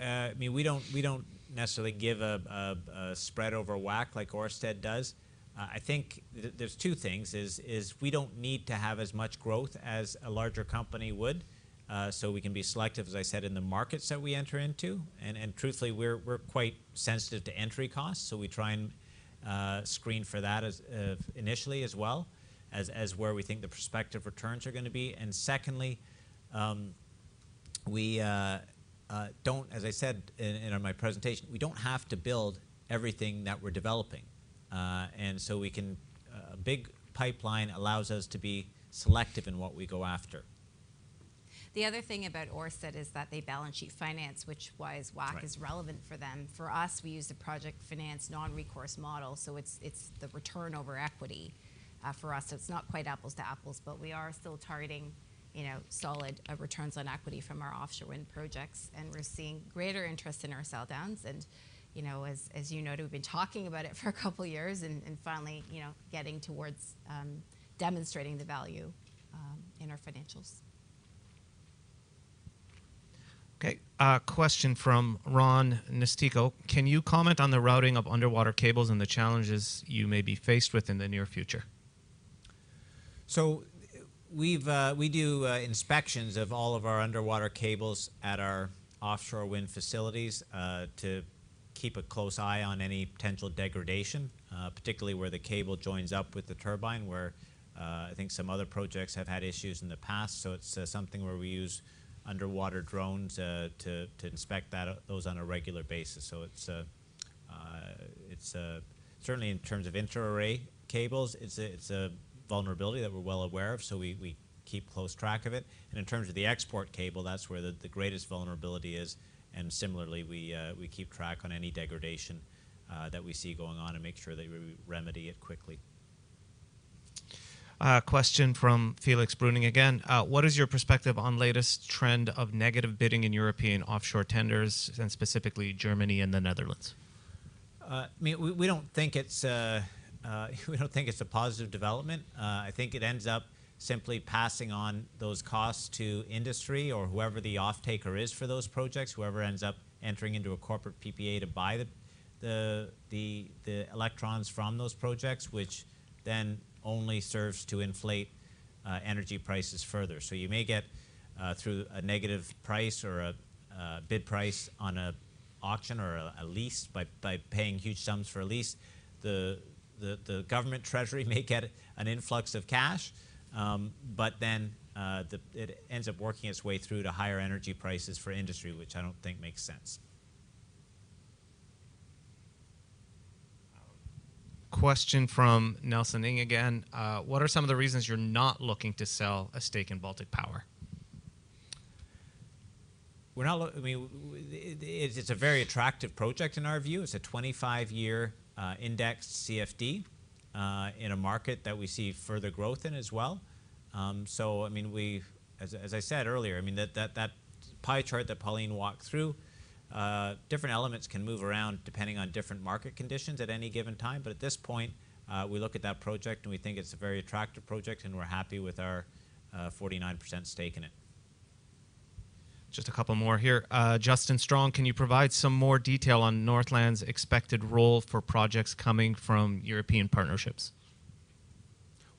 I mean, we don't necessarily give a spread over WACC like Ørsted does. I think there's two things, is we don't need to have as much growth as a larger company would. We can be selective, as I said, in the markets that we enter into. Truthfully, we're quite sensitive to entry costs, we try and screen for that as initially as well as where we think the prospective returns are gonna be. Secondly, as I said in my presentation, we don't have to build everything that we're developing. We can. A big pipeline allows us to be selective in what we go after. The other thing about Ørsted is that they balance sheet finance, which is why WACC- Right... is relevant for them. For us, we use the project finance non-recourse model, so it's the return over equity for us. It's not quite apples to apples, but we are still targeting, you know, solid returns on equity from our offshore wind projects, and we're seeing greater interest in our sell downs. You know, as you noted, we've been talking about it for a couple years and finally, you know, getting towards demonstrating the value in our financials. Okay. question from Ron Nestico: Can you comment on the routing of underwater cables and the challenges you may be faced with in the near future? We've, we do inspections of all of our underwater cables at our offshore wind facilities to keep a close eye on any potential degradation, particularly where the cable joins up with the turbine, where I think some other projects have had issues in the past. It's something where we use underwater drones to inspect those on a regular basis. It's certainly in terms of inter-array cables, it's a vulnerability that we're well aware of, so we keep close track of it. In terms of the export cable, that's where the greatest vulnerability is, and similarly, we keep track on any degradation that we see going on and make sure that we remedy it quickly. Question from Felix Brüning again: What is your perspective on latest trend of negative bidding in European offshore tenders, and specifically Germany and the Netherlands? I mean, we don't think it's a positive development. I think it ends up simply passing on those costs to industry or whoever the offtaker is for those projects, whoever ends up entering into a corporate PPA to buy the electrons from those projects, which then only serves to inflate energy prices further. You may get through a negative price or a bid price on an auction or a lease by paying huge sums for a lease. The government treasury may get an influx of cash, but then it ends up working its way through to higher energy prices for industry, which I don't think makes sense. Question from Nelson Ng again: what are some of the reasons you're not looking to sell a stake in Baltic Power? We're not, I mean, it's a very attractive project in our view. It's a 25-year index CFD in a market that we see further growth in as well. I mean, As I said earlier, I mean, that pie chart that Pauline walked through, different elements can move around depending on different market conditions at any given time. At this point, we look at that project and we think it's a very attractive project and we're happy with our 49% stake in it. Just a couple more here. Justin Strong: Can you provide some more detail on Northland's expected role for projects coming from European partnerships?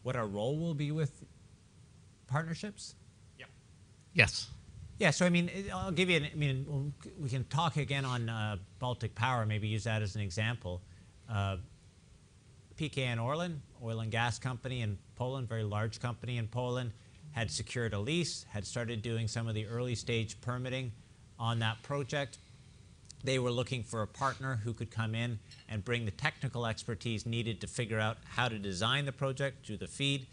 What our role will be with partnerships? Yep. Yes. Yeah. I mean, we can talk again on Baltic Power, maybe use that as an example. PKN ORLEN, oil and gas company in Poland, very large company in Poland, had secured a lease, had started doing some of the early stage permitting on that project. They were looking for a partner who could come in and bring the technical expertise needed to figure out how to design the project, do the FEED,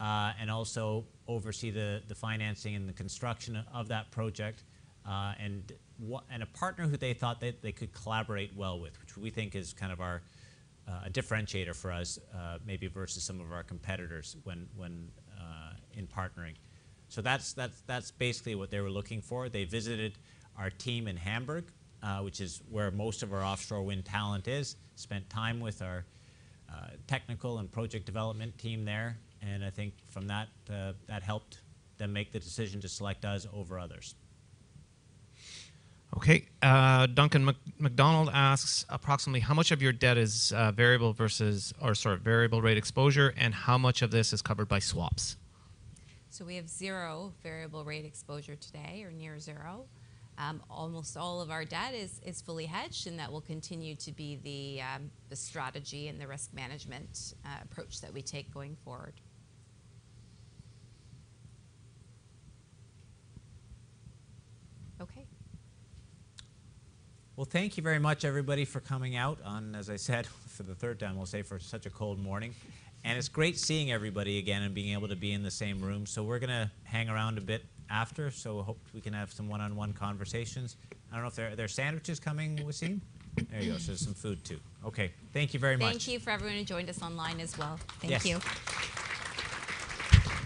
and also oversee the financing and the construction of that project. And a partner who they thought that they could collaborate well with, which we think is kind of our, a differentiator for us, maybe versus some of our competitors when in partnering. That's basically what they were looking for. They visited our team in Hamburg, which is where most of our offshore wind talent is, spent time with our technical and project development team there. I think from that helped them make the decision to select us over others. Okay. Duncan McDonald asks, approximately how much of your debt is variable rate exposure, and how much of this is covered by swaps? We have zero variable rate exposure today or near zero. Almost all of our debt is fully hedged. That will continue to be the strategy and the risk management approach that we take going forward. Okay. Well, thank you very much, everybody, for coming out on, as I said, for the third time, I'll say, for such a cold morning. It's great seeing everybody again and being able to be in the same room. We're gonna hang around a bit after, so hope we can have some one-on-one conversations. I don't know if there, are there sandwiches coming, Waseem? There you go. There's some food too. Okay. Thank you very much. Thank you for everyone who joined us online as well. Yes. Thank you.